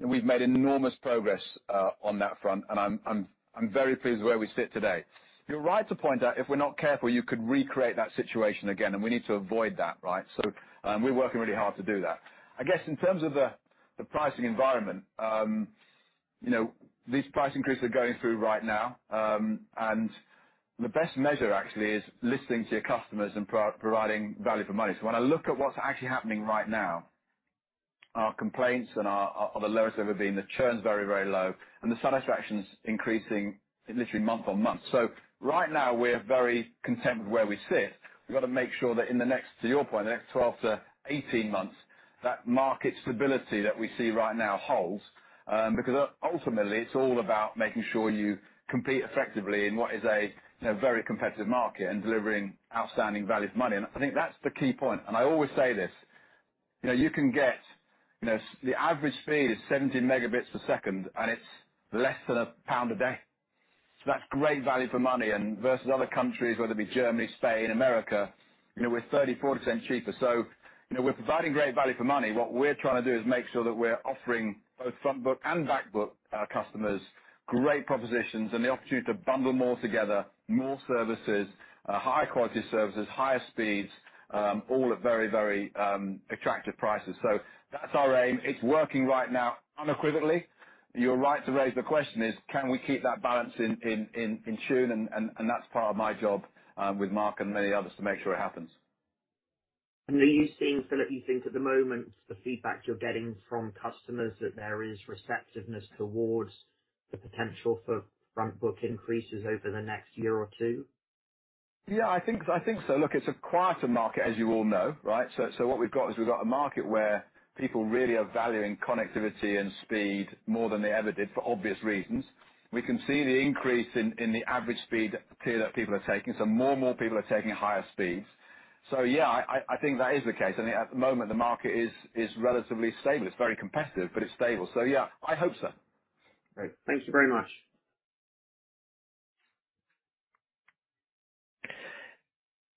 we've made enormous progress on that front, and I'm very pleased with where we sit today. You're right to point out if we're not careful, you could recreate that situation again, and we need to avoid that. We're working really hard to do that. In terms of the pricing environment, these price increases are going through right now, and the best measure actually is listening to your customers and providing value for money. When I look at what's actually happening right now, our complaints are the lowest ever been. The churn's very, very low, and the satisfaction's increasing literally month on month. Right now we're very content with where we sit. We've gotta make sure that in the next, to your point, the next 12-18 months that market stability that we see right now holds, because ultimately, it's all about making sure you compete effectively in what is a very competitive market and delivering outstanding value for money. I think that's the key point. I always say this you can get the average speed is 17 Mbps, and it's less than GBP 1 a day. That's great value for money. Versus other countries, whether it be Germany, Spain, America, we're 30%-40% cheaper. We're providing great value for money. What we're trying to do is make sure that we're offering both frontbook and backbook our customers, great propositions, and the opportunity to bundle more together, more services, higher quality services, higher speeds, all at very, very attractive prices. That's our aim. It's working right now, unequivocally. You're right to raise the question is, can we keep that balance in tune? That's part of my job with Mark and many others to make sure it happens.
Are you seeing, Philip, you think at the moment, the feedback you're getting from customers that there is receptiveness towards the potential for frontbook increases over the next year or two?
Yeah, I think so. Look, it's a quieter market, as you all know, right? What we've got is a market where people really are valuing connectivity and speed more than they ever did for obvious reasons. We can see the increase in the average speed tier that people are taking. More and more people are taking higher speeds. Yeah, I think that is the case. I think at the moment the market is relatively stable. It's very competitive, but it's stable. Yeah, I hope so.
Great. Thank you very much.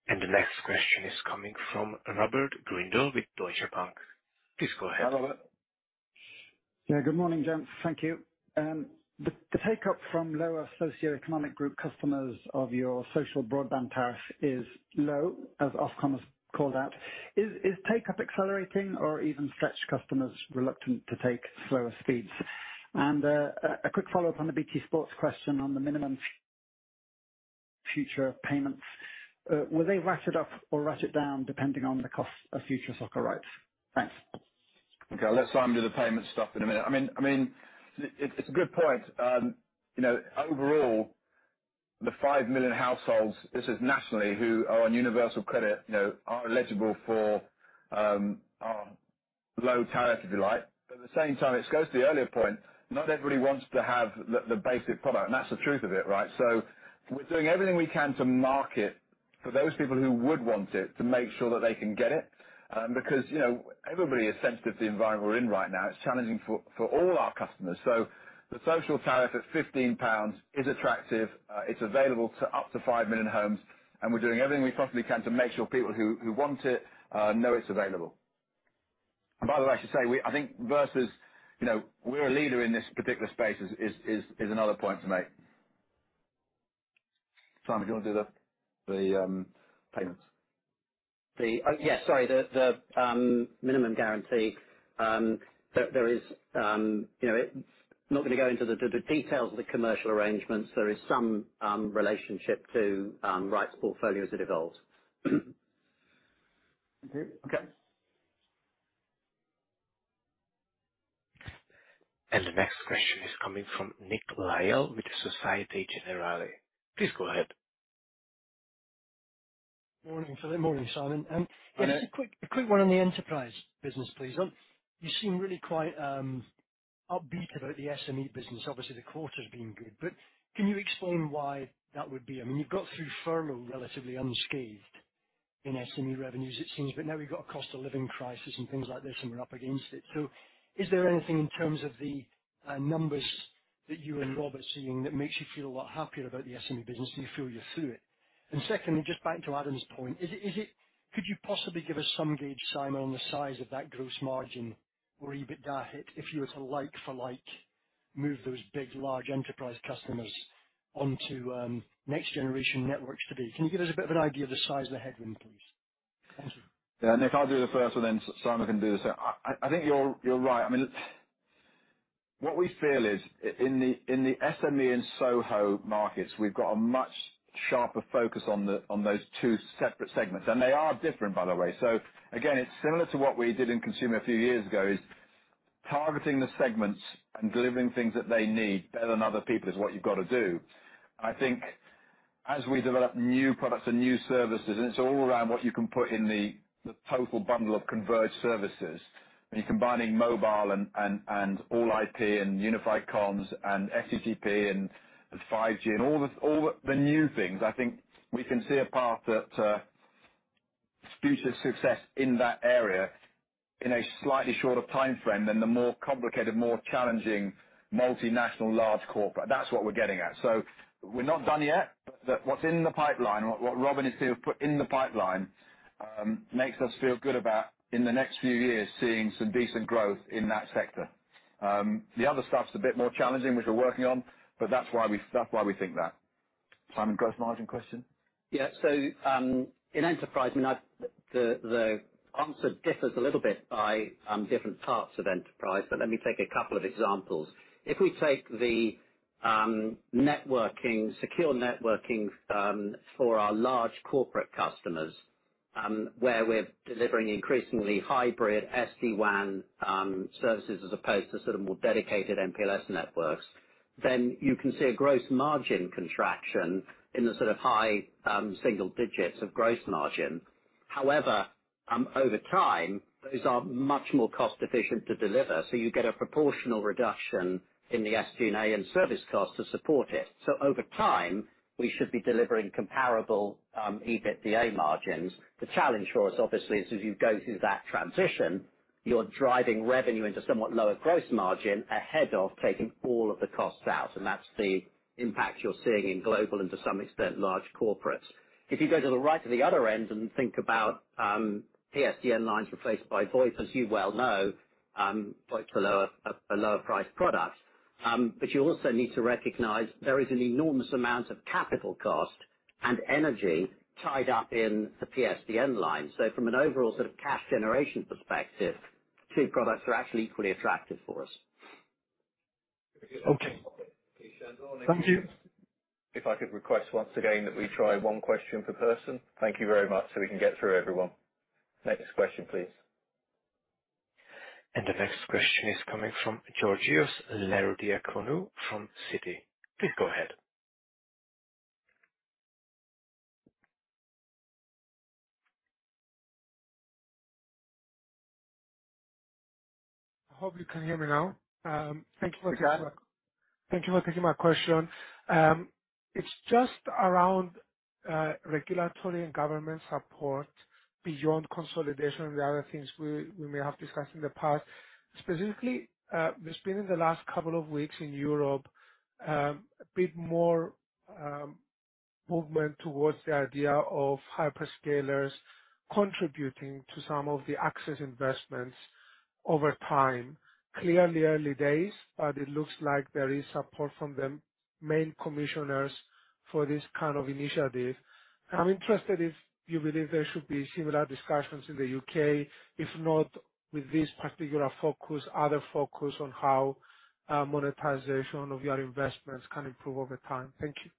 The next question is coming from Robert Grindle with Deutsche Bank. Please go ahead.
Hi, Robert.
Yeah, good morning, gents. Thank you. The take up from lower socioeconomic group customers of your social broadband tariff is low, as Ofcom has called out. Is take up accelerating or are even stretched customers reluctant to take slower speeds? A quick follow-up on the BT Sport question on the minimum future payments. Will they ratchet up or ratchet down depending on the cost of future soccer. Thanks.
Okay, let's hand over the payment stuff in a minute. It's a good point. Overall, the 5 million households, this is nationally, who are on Universal Credit are eligible for our low tariff, if you like. At the same time, it goes to the earlier point. Not everybody wants to have the basic product, and that's the truth of it. We're doing everything we can to market for those people who would want it, to make sure that they can get it. Because, everybody is sensitive to the environment we're in right now. It's challenging for all our customers. The social tariff at 15 pounds is attractive. It's available to up to 5 million homes, and we're doing everything we possibly can to make sure people who want it know it's available. By the way, I should say, I think versus we're a leader in this particular space is another point to make. Simon, do you want to do the payments?
Yes. Sorry. The minimum guarantee. There is it not gonna go into the details of the commercial arrangements. There is some relationship to rights portfolios that evolve.
Okay.
Okay.
The next question is coming from Nick Lyall with Société Générale. Please go ahead.
Morning, Philip. Morning, Simon.
Hello.
Just a quick one on the enterprise business, please. You seem really quite upbeat about the SME business. Obviously, the quarter's been good. Can you explain why that would be? You've got through Furlough relatively unscathed in SME revenues, it seems, but now we've got a cost of living crisis and things like this, and we're up against it. Is there anything in terms of the numbers that you and Robert are seeing that makes you feel a lot happier about the SME business, and you feel you're through it? Secondly, just back to Adam's point, is it could you possibly give us some gauge, Simon, on the size of that gross margin or EBITDA hit if you were to like for like, move those big large enterprise customers onto next generation networks to be? Can you give us a bit of an idea of the size and the headwind, please? Thank you.
Yeah, Nick, I'll do the first and then Simon can do the second. I think you're right. What we feel is in the SME and SOHO markets, we've got a much sharper focus on those two separate segments, and they are different, by the way. So again, it's similar to what we did in consumer a few years ago, is targeting the segments and delivering things that they need better than other people is what you've got to do. I think as we develop new products and new services, and it's all around what you can put in the total bundle of converged services, and you're combining mobile and all-IP and unified comms and XGS-PON and 5G and all the new things. I think we can see a path that future success in that area in a slightly shorter timeframe than the more complicated, more challenging multinational large corporate. That's what we're getting at. We're not done yet, but what's in the pipeline, what Robin is here to put in the pipeline, makes us feel good about in the next few years seeing some decent growth in that sector. The other stuff's a bit more challenging, which we're working on, but that's why we think that. Simon, gross margin question.
Yeah. In enterprise, the answer differs a little bit by different parts of enterprise, but let me take a couple of examples. If we take the networking, secure networking, for our large corporate customers, where we're delivering increasingly hybrid SD-WAN. Services as opposed to more dedicated MPLS networks. You can see a gross margin contraction in the high single digits of gross margin. However, over time, those are much more cost-efficient to deliver, so you get a proportional reduction in the SG&A and service cost to support it. Over time, we should be delivering comparable EBITDA margins. The challenge for us, obviously, is as you go through that transition, you're driving revenue into somewhat lower gross margin ahead of taking all of the costs out, and that's the impact you're seeing in global and to some extent large corporates. If you go to the right of the other end and think about PSTN lines replaced by voice, as you well know, voice are lower priced products. You also need to recognize there is an enormous amount of capital cost and energy tied up in the PSTN line. From an overall cash generation perspective, two products are actually equally attractive for us.
Okay. Thank you.
If I could request once again that we try one question per person. Thank you very much, so we can get through everyone. Next question, please.
The next question is coming from Georgios Ierodiaconou from Citi. Please go ahead.
I hope you can hear me now. Thank you for taking.
We can.
Thank you for taking my question. It's just around regulatory and government support beyond consolidation and the other things we may have discussed in the past. Specifically, there's been in the last couple of weeks in Europe a bit more movement towards the idea of hyperscalers contributing to some of the access investments over time. Clearly early days, but it looks like there is support from the main commissioners for this initiative. I'm interested if you believe there should be similar discussions in the UK, if not with this particular focus, other focus on how monetization of your investments can improve over time. Thank you.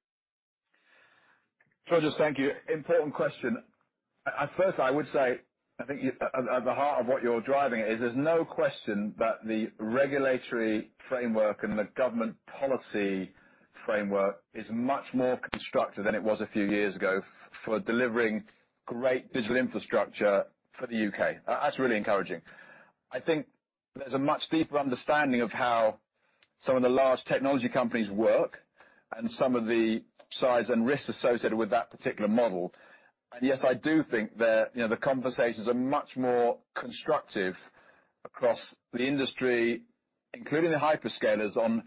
Georgios, thank you. Important question. At first, I would say at the heart of what you're driving is there's no question that the regulatory framework and the government policy framework is much more constructive than it was a few years ago for delivering great digital infrastructure for the U.K. That's really encouraging. I think there's a much deeper understanding of how some of the large technology companies work and some of the size and risks associated with that particular model. Yes, I do think that the conversations are much more constructive across the industry, including the hyperscalers on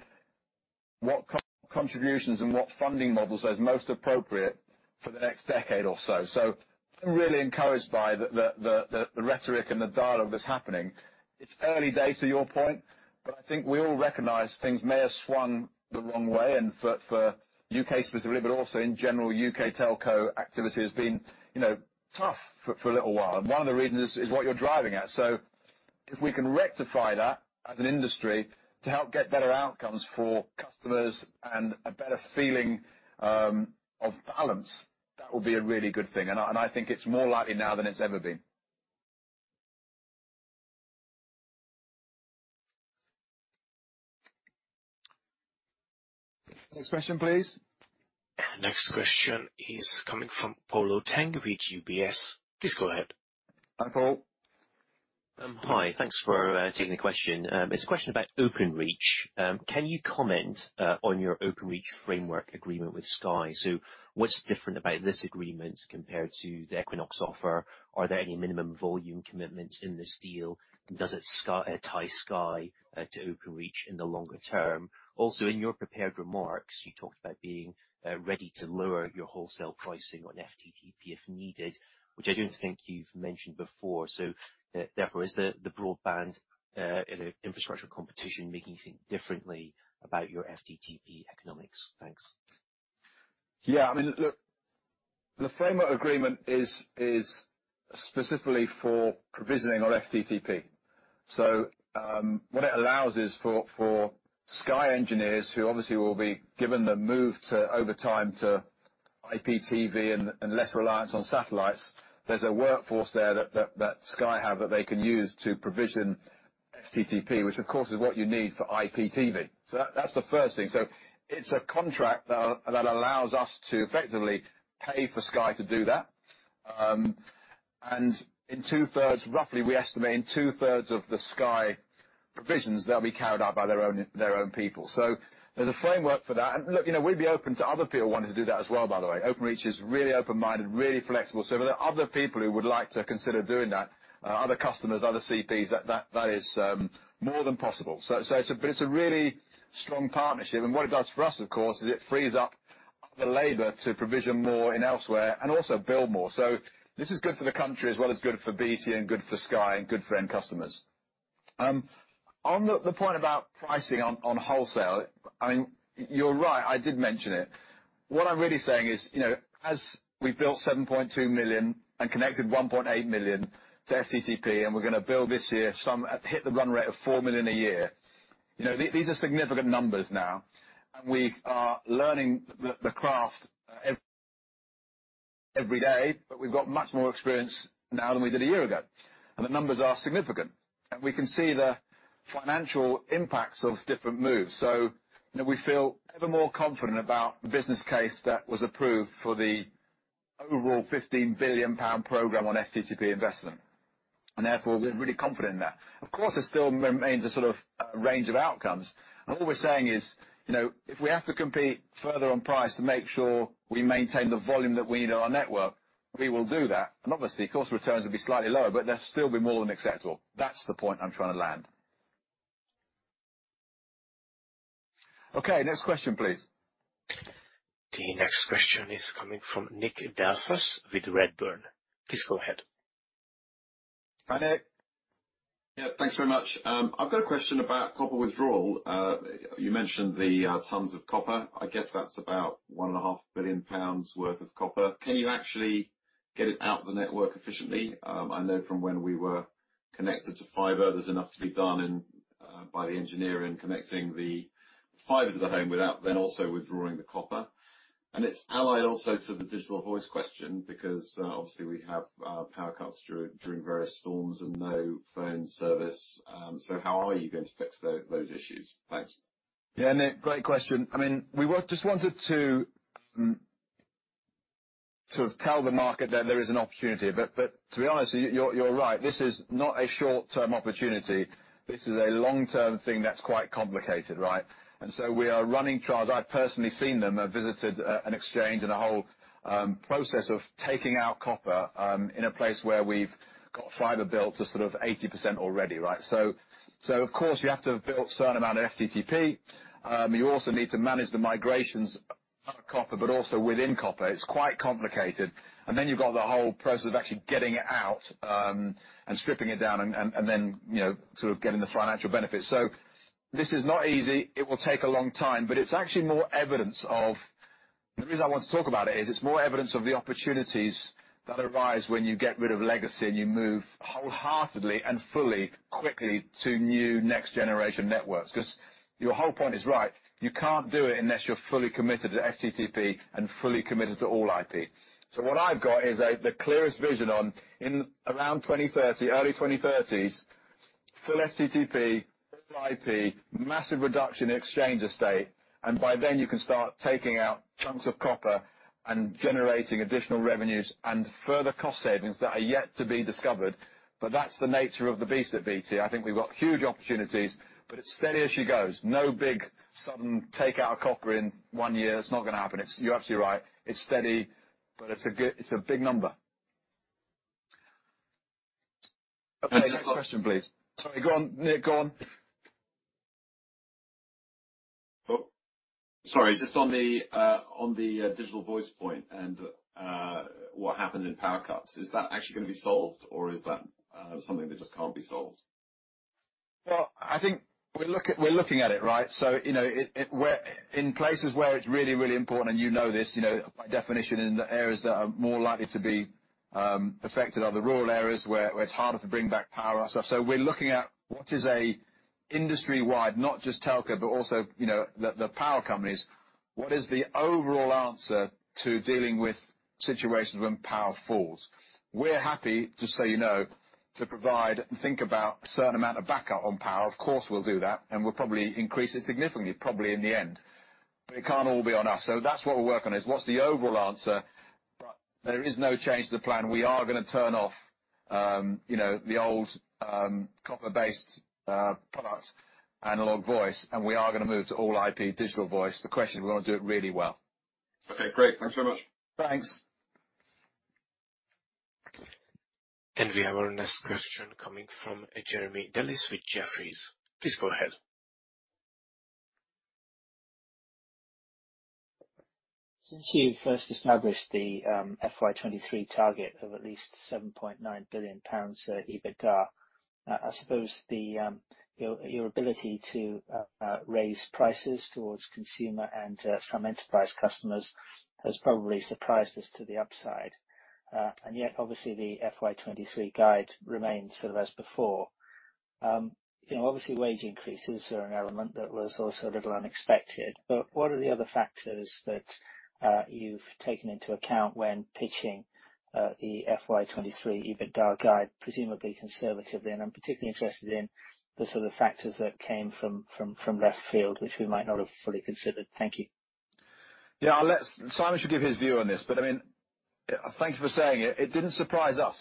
what contributions and what funding models are most appropriate for the next decade or so. I'm really encouraged by the rhetoric and the dialogue that's happening. It's early days to your point, but I think we all recognize things may have swung the wrong way and for UK specifically, but also in general, UK telco activity has been tough for a little while. One of the reasons is what you're driving at. If we can rectify that as an industry to help get better outcomes for customers and a better feeling of balance, that will be a really good thing. I think it's more likely now than it's ever been.
Next question, please.
Next question is coming from Polo Tang with UBS. Please go ahead.
Hi, Polo.
Hi. Thanks for taking the question. It's a question about Openreach. Can you comment on your Openreach framework agreement with Sky? What's different about this agreement compared to the Equinox offer? Are there any minimum volume commitments in this deal? And does it tie Sky to Openreach in the longer term? Also, in your prepared remarks, you talked about being ready to lower your wholesale pricing on FTTP if needed, which I don't think you've mentioned before. Therefore, is the broadband infrastructure competition making you think differently about your FTTP economics? Thanks.
Yeah, look, the framework agreement is specifically for provisioning on FTTP. What it allows is for Sky engineers, who obviously will be given the move to, over time, to IPTV and less reliance on satellites, there's a workforce there that Sky have that they can use to provision FTTP, which of course is what you need for IPTV. That's the first thing. It's a contract that allows us to effectively pay for Sky to do that. And in two-thirds, roughly, we estimate in two-thirds of the Sky provisions, they'll be carried out by their own people. There's a framework for that. Look, we'd be open to other people wanting to do that as well, by the way. Openreach is really open-minded, really flexible. If there are other people who would like to consider doing that, other customers, other CPs, that is more than possible. It's a really strong partnership. What it does for us, of course, is it frees up the labor to provision more elsewhere and also build more. This is good for the country as well as good for BT and good for Sky and good for end customers. On the point about pricing on wholesale, you're right, I did mention it. What I'm really saying is as we built 7.2 million and connected 1.8 million to FTTP, and we're gonna build this year, we'll hit the run rate of 4 million a year. These are significant numbers now. We are learning the craft every day, but we've got much more experience now than we did a year ago, and the numbers are significant, and we can see the financial impacts of different moves. We feel ever more confident about the business case that was approved for the overall 15 billion pound program on FTTP investment. Therefore, we're really confident in that. Of course, there still remains a range of outcomes. All we're saying is if we have to compete further on price to make sure we maintain the volume that we need on our network, we will do that. Obviously, cost returns will be slightly lower, but they'll still be more than acceptable. That's the point I'm trying to land. Okay, next question, please.
The next question is coming from Nick Delfas with Redburn. Please go ahead.
Hi, Nick.
Yeah, thanks very much. I've got a question about copper withdrawal. You mentioned the tons of copper. That's about 1.5 billion pounds worth of copper. Can you actually get it out of the network efficiently? I know from when we were connected to fiber, there's enough to be done in by the engineer in connecting the fiber to the home without then also withdrawing the copper. It's allied also to the digital voice question because obviously we have power cuts during various storms and no phone service. How are you going to fix those issues? Thanks.
Yeah, Nick, great question. We wanted to tell the market that there is an opportunity, but to be honest, you're right. This is not a short-term opportunity. This is a long-term thing that's quite complicated. We are running trials. I've personally seen them. I've visited an exchange and a whole process of taking out copper in a place where we've got fiber built to 80% already. Of course, you have to build a certain amount of FTTP. You also need to manage the migrations out of copper, but also within copper. It's quite complicated. You've got the whole process of actually getting it out and stripping it down and then getting the financial benefits. This is not easy. It will take a long time. The reason I want to talk about it is it's more evidence of the opportunities that arise when you get rid of legacy and you move wholeheartedly and fully, quickly to new next-generation networks. 'Cause your whole point is right. You can't do it unless you're fully committed to FTTP and fully committed to All-IP. What I've got is the clearest vision in around 2030, early 2030s, full FTTP, full All-IP, massive reduction in exchange estate, and by then you can start taking out chunks of copper and generating additional revenues and further cost savings that are yet to be discovered. That's the nature of the beast at BT. I think we've got huge opportunities, but it's steady as she goes. No big, sudden take out of copper in one year. It's not gonna happen. It's, you're absolutely right. It's steady, but it's a big number.
Okay.
Next question, please. Sorry, go on, Nick, go on.
Sorry. Just on the digital voice point and what happens in power cuts. Is that actually gonna be solved or is that something that just can't be solved?
I think we're looking at it. WE're in places where it's really important, and this by definition in the areas that are more likely to be affected are the rural areas where it's harder to bring back power. We're looking at what is an industry-wide, not just telco, but also the power companies, what is the overall answer to dealing with situations when power fails. We're happy to say to provide and think about a certain amount of backup power, of course, we'll do that, and we'll probably increase it significantly, probably in the end. It can't all be on us. That's what we're working on is what's the overall answer. There is no change to the plan. We are gonna turn off the old copper-based product analog voice, and we are gonna move to All-IP digital voice. The question, we wanna do it really well.
Okay, great. Thanks so much.
Thanks.
We have our next question coming from Jerry Dellis with Jefferies. Please go ahead.
Since you first established the FY 2023 target of at least 7.9 billion pounds for EBITDA, I suppose your ability to raise prices towards consumer and some enterprise customers has probably surprised us to the upside. Yet, obviously, the FY 2023 guide remains as before. Obviously wage increases are an element that was also a little unexpected, but what are the other factors that you've taken into account when pitching the FY 2023 EBITDA guide, presumably conservatively? I'm particularly interested in the factors that came from left field, which we might not have fully considered. Thank you.
Yeah, I'll let Simon give his view on this, but thank you for saying it. It didn't surprise us.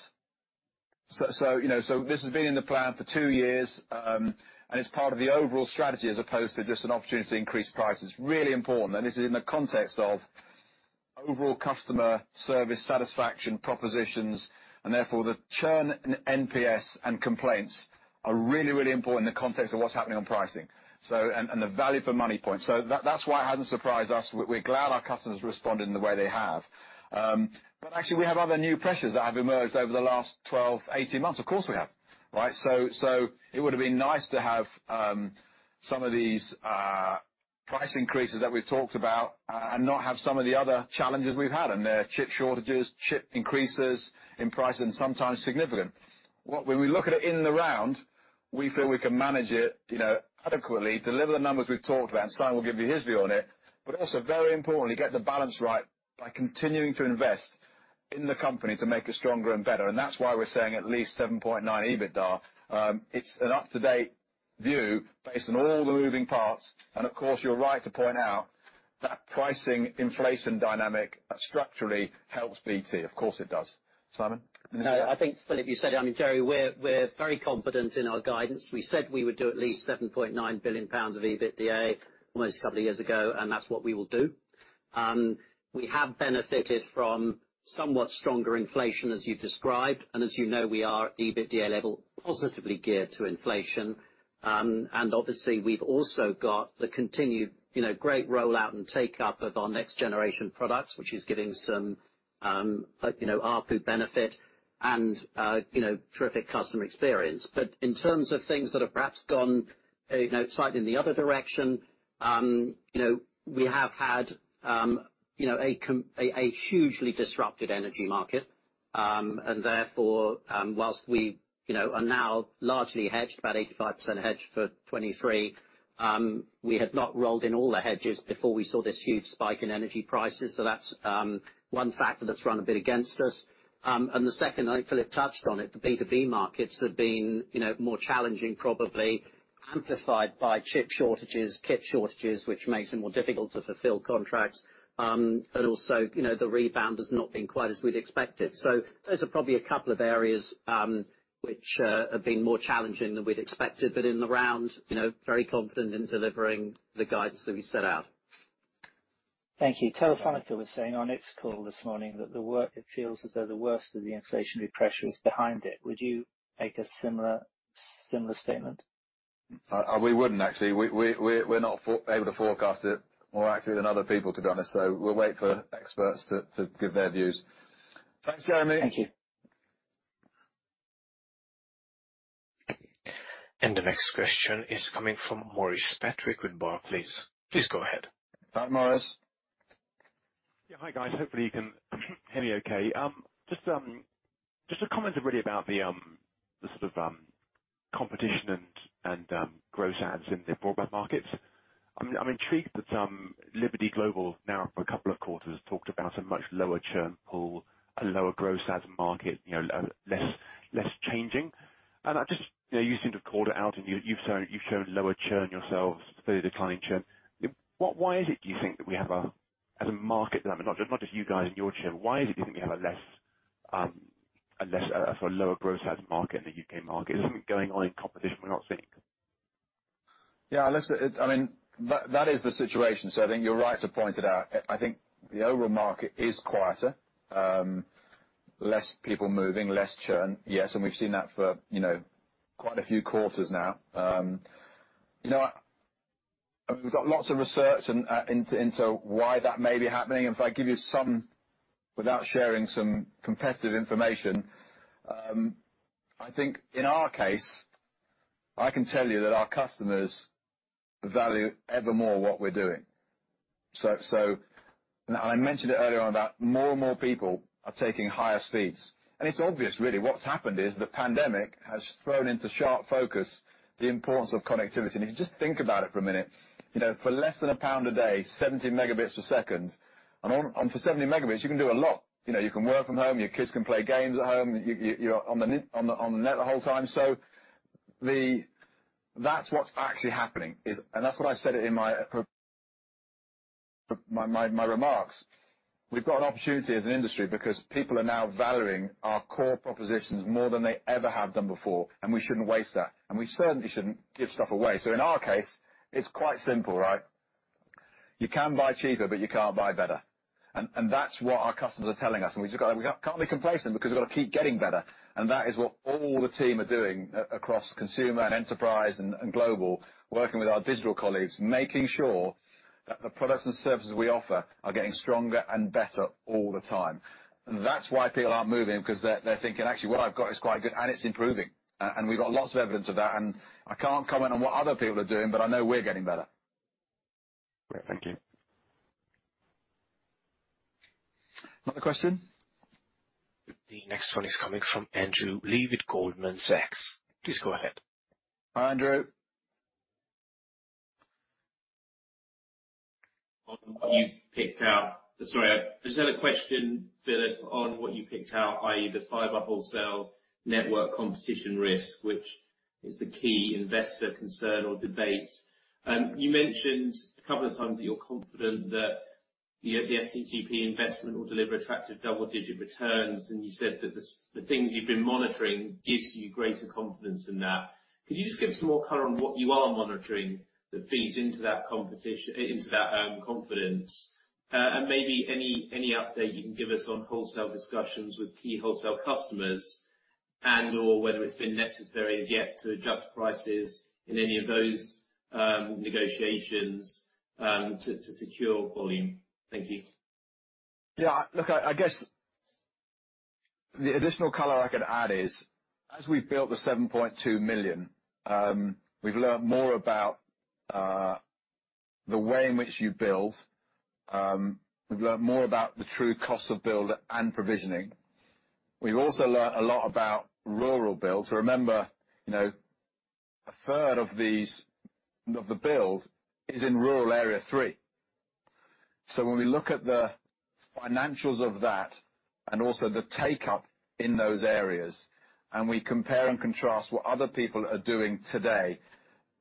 This has been in the plan for two years, and it's part of the overall strategy as opposed to just an opportunity to increase prices. This is really important, and this is in the context of overall customer service satisfaction propositions, and therefore, the churn in NPS and complaints are really, really important in the context of what's happening on pricing. And the value for money point. That's why it hasn't surprised us. We're glad our customers responded in the way they have. But actually, we have other new pressures that have emerged over the last 12, 18 months. Of course, we have. It would have been nice to have some of these price increases that we've talked about and not have some of the other challenges we've had. They're chip shortages, chip increases in price, and sometimes significant. When we look at it in the round, we feel we can manage it adequately, deliver the numbers we've talked about, and Simon will give you his view on it, but also very importantly, get the balance right by continuing to invest in the company to make it stronger and better. That's why we're saying at least 7.9 EBITDA. It's an up-to-date view based on all the moving parts. Of course, you're right to point out that pricing inflation dynamic structurally helps BT. Of course, it does. Simon?
No, I think, Philip, you said it. Jerry, we're very confident in our guidance. We said we would do at least 7.9 billion pounds of EBITDA almost a couple of years ago, and that's what we will do. We have benefited from somewhat stronger inflation as you described, and we are at EBITDA level positively geared to inflation. Obviously, we've also got the continued great rollout and take-up of our next generation products, which is giving some ARPU benefit and terrific customer experience. In terms of things that have perhaps gone slightly in the other direction we have had a hugely disrupted energy market. Therefore, while we are now largely hedged, about 85% hedged for 2023, we had not rolled in all the hedges before we saw this huge spike in energy prices. So that's one factor that's run a bit against us. And the second, I think Philip touched on it, the B2B markets have been more challenging, probably amplified by chip shortages, kit shortages, which makes it more difficult to fulfill contracts. But also the rebound has not been quite as we'd expected. So those are probably a couple of areas, which have been more challenging than we'd expected. But in the round very confident in delivering the guidance that we set out.
Thank you. Telefónica was saying on its call this morning that it feels as though the worst of the inflationary pressure is behind it. Would you make a similar statement?
We wouldn't actually. We're not able to forecast it more accurately than other people, to be honest. We'll wait for experts to give their views. Thanks, Jerry.
Thank you.
The next question is coming from Maurice Patrick with Barclays. Please go ahead.
Hi, Maurice.
Yeah, hi, guys. Hopefully, you can hear me okay. Just a comment really about the competition and gross adds in the broadband markets. I'm intrigued that Liberty Global now for a couple of quarters has talked about a much lower churn pool, a lower gross adds market less changing. I just, you seem to have called it out and you've shown lower churn yourselves, very declining churn. Why is it, do you think, that we have as a market, not just you guys in your churn, why is it you think we have a less for a lower gross adds market in the UK market? Is something going on in competition we're not seeing?
Yeah, listen, that is the situation, so I think you're right to point it out. I think the overall market is quieter. Less people moving, less churn. Yes, and we've seen that for quite a few quarters now. We've got lots of research and into why that may be happening. If I give you some, without sharing some competitive information, I think in our case, I can tell you that our customers value ever more what we're doing. So now I mentioned it earlier on about more and more people are taking higher speeds. It's obvious, really, what's happened is the pandemic has thrown into sharp focus the importance of connectivity. If you just think about it for a minute for less than GBP 1 a day, 70 megabits per second. For 70 megabits, you can do a lot. You can work from home, your kids can play games at home, you're on the internet the whole time. That's what's actually happening. That's what I said in my remarks. We've got an opportunity as an industry because people are now valuing our core propositions more than they ever have done before, and we shouldn't waste that. We certainly shouldn't give stuff away. In our case, it's quite simple. You can buy cheaper, but you can't buy better. That's what our customers are telling us. We can't be complacent because we've gotta keep getting better. That is what all the team are doing across consumer and enterprise and global, working with our digital colleagues, making sure that the products and services we offer are getting stronger and better all the time. That's why people aren't moving, because they're thinking, "Actually, what I've got is quite good and it's improving." We've got lots of evidence of that. I can't comment on what other people are doing, but I know we're getting better.
Great. Thank you.
Another question?
The next question is coming from Andrew Lee with Goldman Sachs. Please go ahead.
Hi, Andrew.
On what you've picked out. Sorry, I just had a question, Philip, on what you picked out, that is the fiber wholesale network competition risk, which is the key investor concern or debate. You mentioned a couple of times that you're confident that the FTTP investment will deliver attractive double-digit returns, and you said that the things you've been monitoring gives you greater confidence in that. Could you just give some more color on what you are monitoring that feeds into that confidence? Maybe any update you can give us on wholesale discussions with key wholesale customers and/or whether it's been necessary as yet to adjust prices in any of those negotiations to secure volume. Thank you.
Yeah, look, the additional color I could add is, as we built the 7.2 million, we've learned more about the way in which you build. We've learned more about the true cost of build and provisioning. We've also learned a lot about rural build. Remember, a third of the build is in rural Area 3. When we look at the financials of that and also the take-up in those areas, and we compare and contrast what other people are doing today,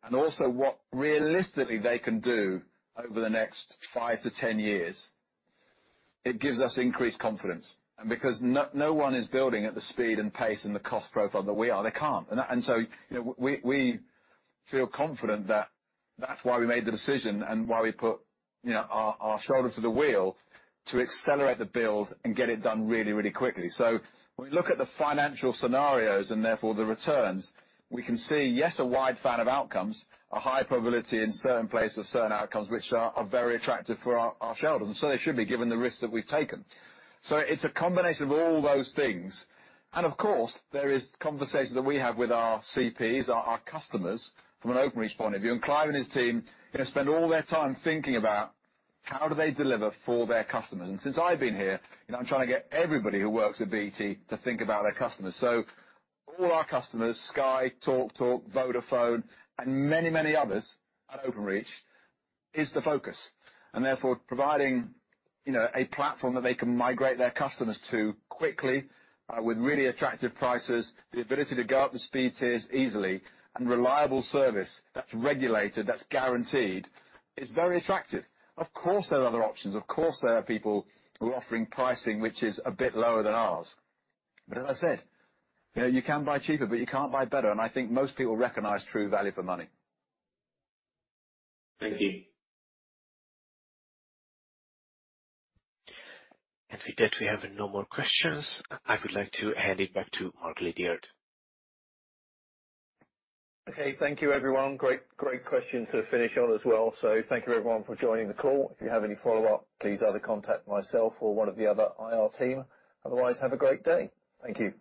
and also what realistically they can do over the next 5 to 10 years, it gives us increased confidence. Because no one is building at the speed and pace and the cost profile that we are. They can't. We feel confident that that's why we made the decision and why we put our shoulder to the wheel to accelerate the build and get it done really quickly. When we look at the financial scenarios, and therefore the returns, we can see us a wide range of outcomes, a high probability in certain places, certain outcomes, which are very attractive for our shareholders. They should be given the risk that we've taken. It's a combination of all those things. Of course, there is conversations that we have with our CPs, our customers from an Openreach point of view. Clive and his team, they spend all their time thinking about how do they deliver for their customers. Since I've been here, I'm trying to get everybody who works at BT to think about their customers. All our customers, Sky, TalkTalk, Vodafone, and many, many others at Openreach, is the focus. Therefore, providing a platform that they can migrate their customers to quickly, with really attractive prices, the ability to go up the speed tiers easily and reliable service that's regulated, that's guaranteed, is very attractive. Of course, there are other options. Of course, there are people who are offering pricing which is a bit lower than ours. As I said, you can buy cheaper, but you can't buy better. I think most people recognize true value for money.
Thank you.
With that, we have no more questions. I would like to hand it back to Mark Lidiard.
Okay, thank you, everyone. Great question to finish on as well. Thank you, everyone, for joining the call. If you have any follow-up, please either contact myself or one of the other IR team. Otherwise, have a great day. Thank you.